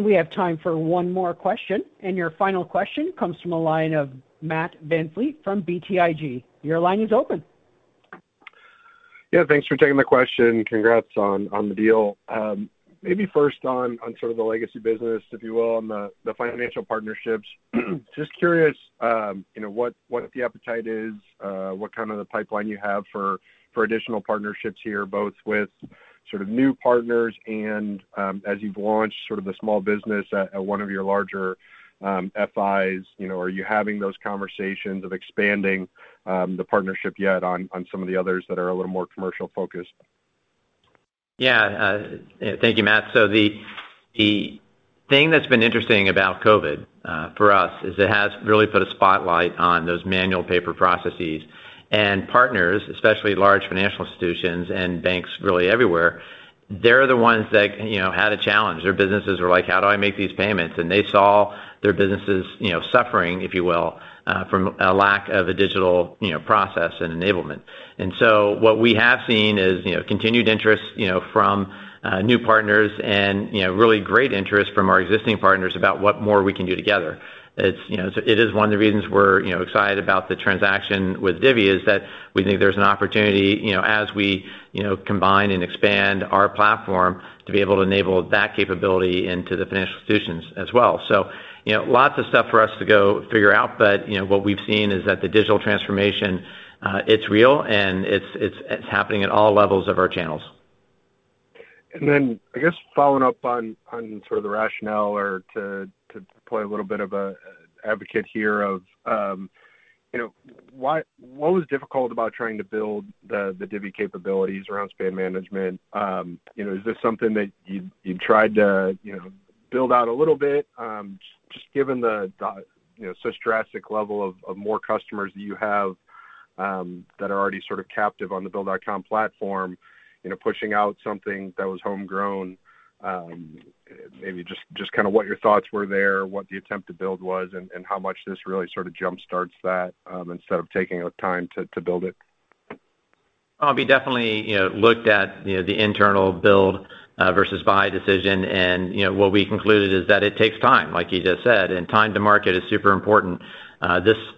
We have time for one more question. Your final question comes from the line of Matt VanVliet from BTIG. Your line is open. Yeah, thanks for taking the question. Congrats on the deal. Maybe first on sort of the legacy business, if you will, on the financial partnerships. Just curious what the appetite is, what kind of the pipeline you have for additional partnerships here, both with sort of new partners and as you've launched sort of the small business at one of your larger FIs. Are you having those conversations of expanding the partnership yet on some of the others that are a little more commercial focused? Thank you, Matt. The thing that's been interesting about COVID for us is it has really put a spotlight on those manual paper processes and partners, especially large financial institutions and banks really everywhere. They're the ones that had a challenge. Their businesses were like, "How do I make these payments?" They saw their businesses suffering, if you will, from a lack of a digital process and enablement. What we have seen is continued interest from new partners and really great interest from our existing partners about what more we can do together. It is one of the reasons we're excited about the transaction with Divvy, is that we think there's an opportunity as we combine and expand our platform to be able to enable that capability into the financial institutions as well. Lots of stuff for us to go figure out, but what we've seen is that the digital transformation, it's real, and it's happening at all levels of our channels. I guess following up on sort of the rationale or to play a little bit of a advocate here of what was difficult about trying to build the Divvy capabilities around spend management? Is this something that you've tried to build out a little bit? Just given such drastic level of more customers that you have that are already sort of captive on the Bill.com platform, pushing out something that was homegrown. Maybe just what your thoughts were there, what the attempt to build was, and how much this really sort of jumpstarts that, instead of taking the time to build it. We definitely looked at the internal build versus buy decision, and what we concluded is that it takes time, like you just said, and time to market is super important.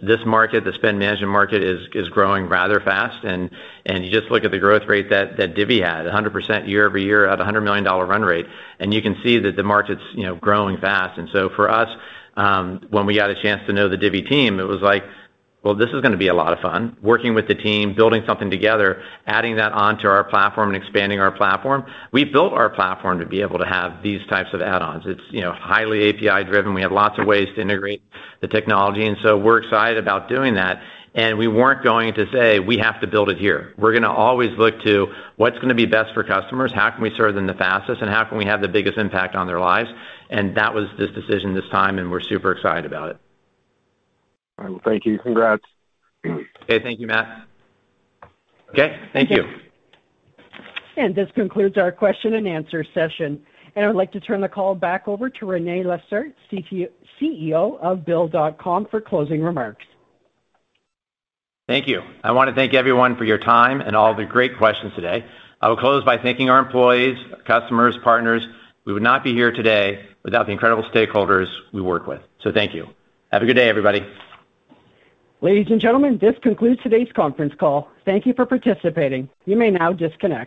This market, the spend management market, is growing rather fast, and you just look at the growth rate that Divvy had, 100% year-over-year at $100 million run rate, and you can see that the market's growing fast. For us, when we got a chance to know the Divvy team, it was like, well, this is going to be a lot of fun. Working with the team, building something together, adding that onto our platform, and expanding our platform. We built our platform to be able to have these types of add-ons. It's highly API driven. We have lots of ways to integrate the technology, we're excited about doing that, we weren't going to say, "We have to build it here." We're going to always look to what's going to be best for customers, how can we serve them the fastest, and how can we have the biggest impact on their lives? That was this decision this time, we're super excited about it. All right. Well, thank you. Congrats. Okay. Thank you, Matt. Okay. Thank you. This concludes our question and answer session. I would like to turn the call back over to René Lacerte, CEO of Bill.com, for closing remarks. Thank you. I want to thank everyone for your time and all the great questions today. I will close by thanking our employees, our customers, partners. We would not be here today without the incredible stakeholders we work with. Thank you. Have a good day, everybody. Ladies and gentlemen, this concludes today's conference call. Thank you for participating. You may now disconnect.